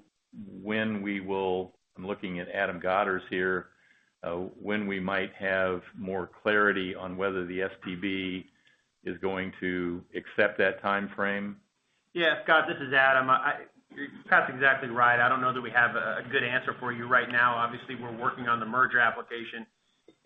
when we will, I'm looking at Adam Godderz here, when we might have more clarity on whether the STB is going to accept that timeframe. Yeah, Scott, this is Adam. Pat's exactly right. I don't know that we have a good answer for you right now. Obviously, we're working on the merger application,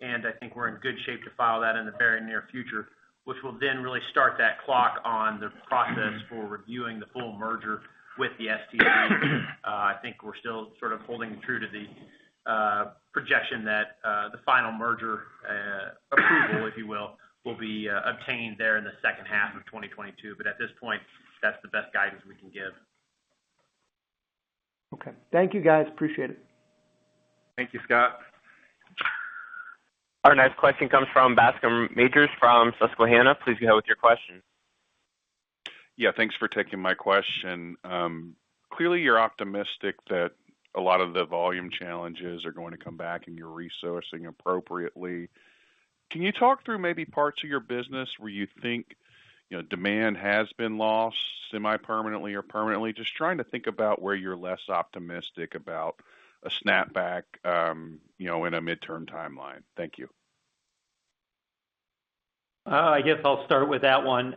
and I think we're in good shape to file that in the very near future, which will then really start that clock on the process for reviewing the full merger with the STB. I think we're still sort of holding true to the projection that the final merger approval, if you will be obtained there in the second half of 2022. At this point, that's the best guidance we can give. Okay. Thank you, guys. Appreciate it. Thank you, Scott. Our next question comes from Bascome Majors from Susquehanna. Please go ahead with your question. Yeah, thanks for taking my question. Clearly you're optimistic that a lot of the volume challenges are going to come back and you're resourcing appropriately. Can you talk through maybe parts of your business where you think demand has been lost semi-permanently or permanently? Just trying to think about where you're less optimistic about a snapback in a midterm timeline. Thank you. I guess I'll start with that one.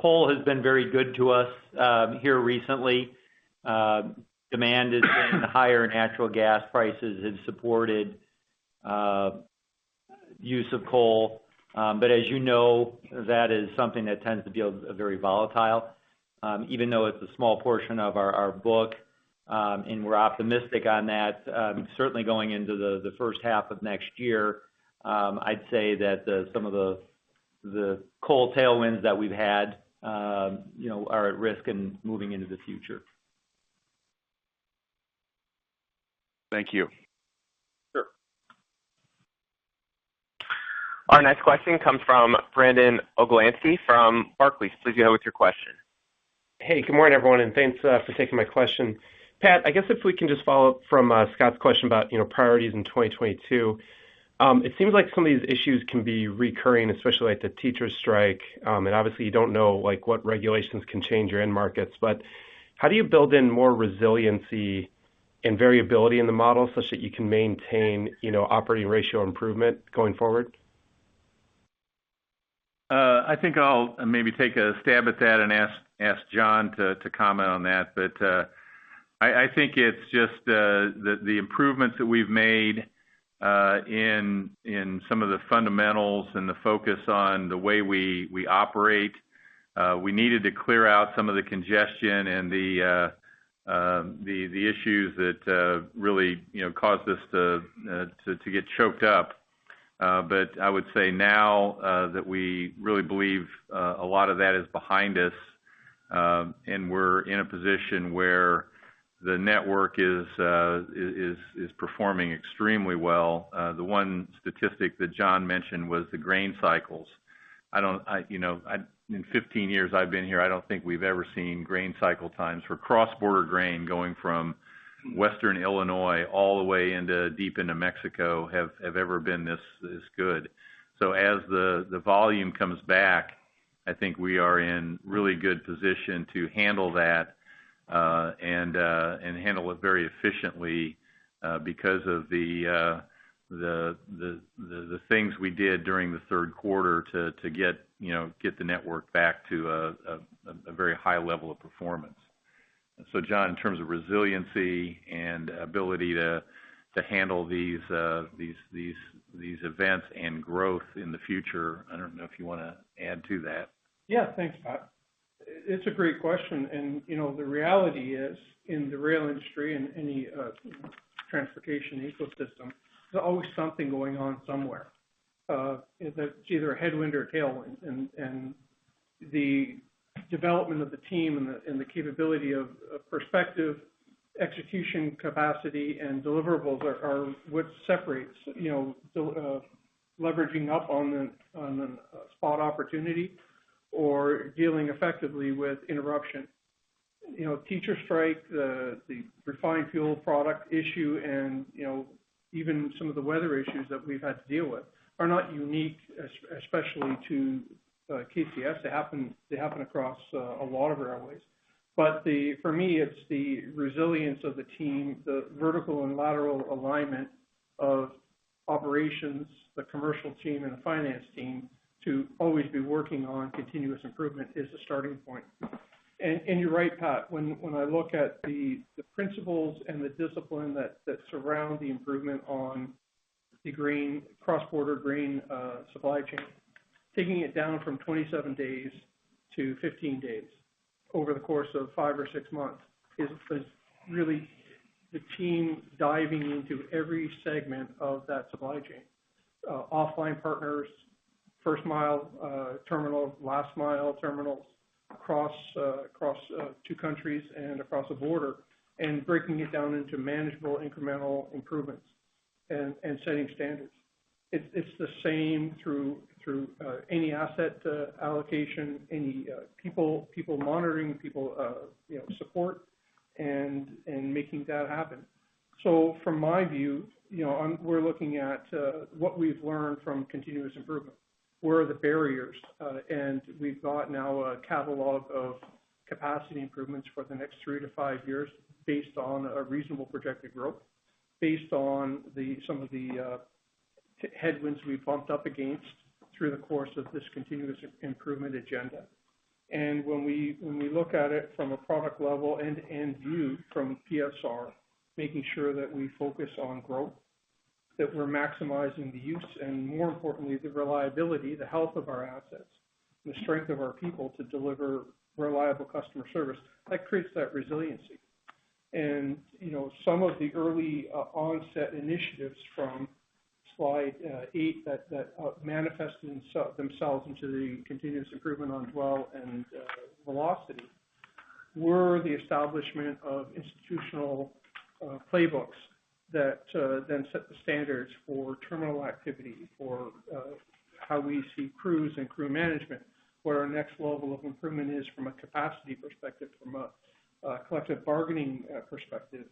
Coal has been very good to us here recently. Demand has been higher, natural gas prices have supported use of coal. As you know, that is something that tends to be very volatile, even though it's a small portion of our book, and we're optimistic on that. Certainly going into the first half of next year, I'd say that some of the coal tailwinds that we've had are at risk in moving into the future. Thank you. Sure. Our next question comes from Brandon Oglenski from Barclays. Please go ahead with your question. Hey, good morning, everyone, and thanks for taking my question. Pat, I guess if we can just follow up from Scott's question about priorities in 2022. It seems like some of these issues can be recurring, especially like the teacher strike. Obviously you don't know what regulations can change your end markets. How do you build in more resiliency and variability in the model such that you can maintain operating ratio improvement going forward? I think I'll maybe take a stab at that and ask John to comment on that. I think it's just the improvements that we've made in some of the fundamentals and the focus on the way we operate. We needed to clear out some of the congestion and the issues that really caused us to get choked up. I would say now that we really believe a lot of that is behind us, and we're in a position where the network is performing extremely well. The one statistic that John mentioned was the grain cycles. In 15 years I've been here, I don't think we've ever seen grain cycle times for cross-border grain going from western Illinois all the way deep into Mexico have ever been this good. As the volume comes back, I think we are in really good position to handle that, and handle it very efficiently because of the things we did during the third quarter to get the network back to a very high level of performance. John, in terms of resiliency and ability to handle these events and growth in the future, I don't know if you want to add to that? Thanks, Pat. It's a great question. The reality is, in the rail industry, in any transportation ecosystem, there's always something going on somewhere. It's either a headwind or a tailwind. The development of the team and the capability of prospective execution capacity and deliverables are what separates leveraging up on a spot opportunity or dealing effectively with interruption. Teacher strike, the refined fuel product issue, and even some of the weather issues that we've had to deal with are not unique, especially to KCS. They happen across a lot of railways. For me, it's the resilience of the team, the vertical and lateral alignment of operations, the commercial team, and the finance team to always be working on continuous improvement is the starting point. You're right, Pat, when I look at the principles and the discipline that surround the improvement on the cross-border grain supply chain, taking it down from 27 days to 15 days over the course of five or six months is really the team diving into every segment of that supply chain. Offline partners, first-mile terminal, last-mile terminals across two countries and across the border, and breaking it down into manageable, incremental improvements and setting standards. It's the same through any asset allocation, any people monitoring, people support, and making that happen. From my view, we're looking at what we've learned from continuous improvement. Where are the barriers? We've got now a catalog of capacity improvements for the next three to five years based on a reasonable projected growth, based on some of the headwinds we bumped up against through the course of this continuous improvement agenda. When we look at it from a product level and view from PSR, making sure that we focus on growth, that we're maximizing the use, and more importantly, the reliability, the health of our assets, the strength of our people to deliver reliable customer service, that creates that resiliency. Some of the early onset initiatives from slide eight that manifested themselves into the continuous improvement on dwell and velocity were the establishment of institutional playbooks that then set the standards for terminal activity, for how we see crews and crew management, where our next level of improvement is from a capacity perspective, from a collective bargaining perspective.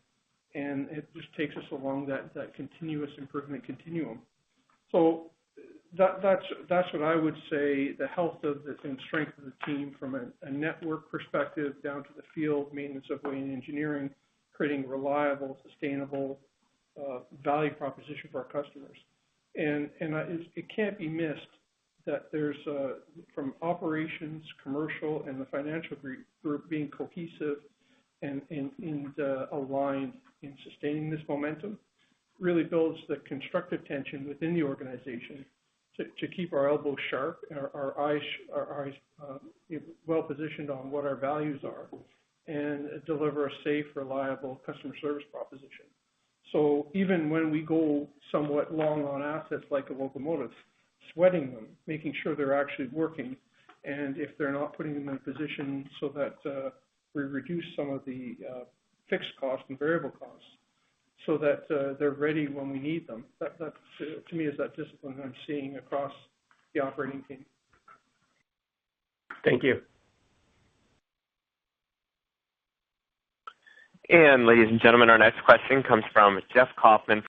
It just takes us along that continuous improvement continuum. That's what I would say the health of the team, strength of the team from a network perspective down to the field, maintenance of way and engineering, creating reliable, sustainable value proposition for our customers. It can't be missed that from operations, commercial, and the financial group being cohesive and aligned in sustaining this momentum really builds the constructive tension within the organization to keep our elbows sharp and our eyes well-positioned on what our values are and deliver a safe, reliable customer service proposition. Even when we go somewhat long on assets like a locomotive, sweating them, making sure they're actually working, and if they're not, putting them in a position so that we reduce some of the fixed costs and variable costs so that they're ready when we need them. That to me is that discipline I'm seeing across the operating team. Thank you. Ladies and gentlemen, our next question comes from Jeff Kauffman.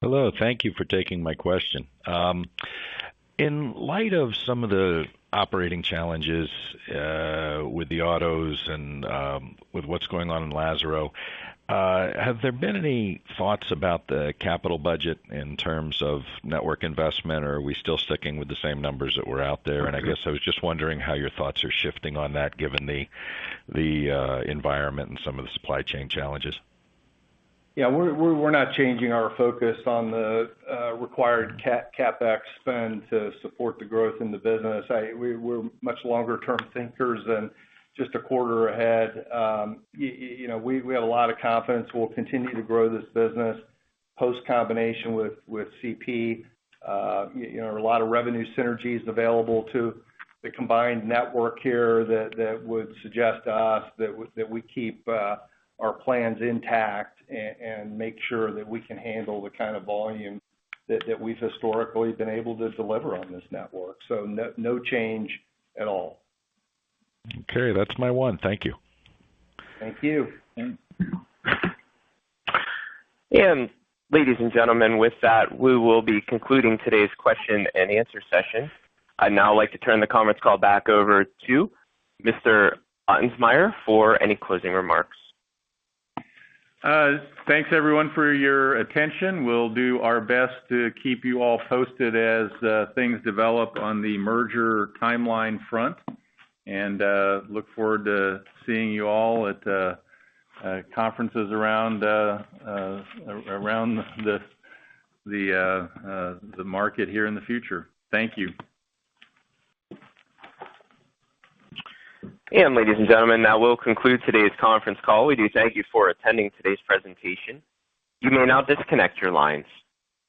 Hello. Thank you for taking my question. In light of some of the operating challenges with the autos and with what's going on in Lazaro, have there been any thoughts about the capital budget in terms of network investment, or are we still sticking with the same numbers that were out there? I guess I was just wondering how your thoughts are shifting on that, given the environment and some of the supply chain challenges. Yeah, we're not changing our focus on the required CapEx spend to support the growth in the business. We're much longer-term thinkers than just a quarter ahead. We have a lot of confidence we'll continue to grow this business post-combination with CP. A lot of revenue synergies available to the combined network here that would suggest to us that we keep our plans intact and make sure that we can handle the kind of volume that we've historically been able to deliver on this network. No change at all. Okay. That's my one. Thank you. Thank you. Ladies and gentlemen, with that, we will be concluding today's question and answer session. I'd now like to turn the conference call back over to Mr. Ottensmeyer for any closing remarks. Thanks everyone for your attention. We'll do our best to keep you all posted as things develop on the merger timeline front. Look forward to seeing you all at conferences around the market here in the future. Thank you. Ladies and gentlemen, that will conclude today's conference call. We do thank you for attending today's presentation. You may now disconnect your lines.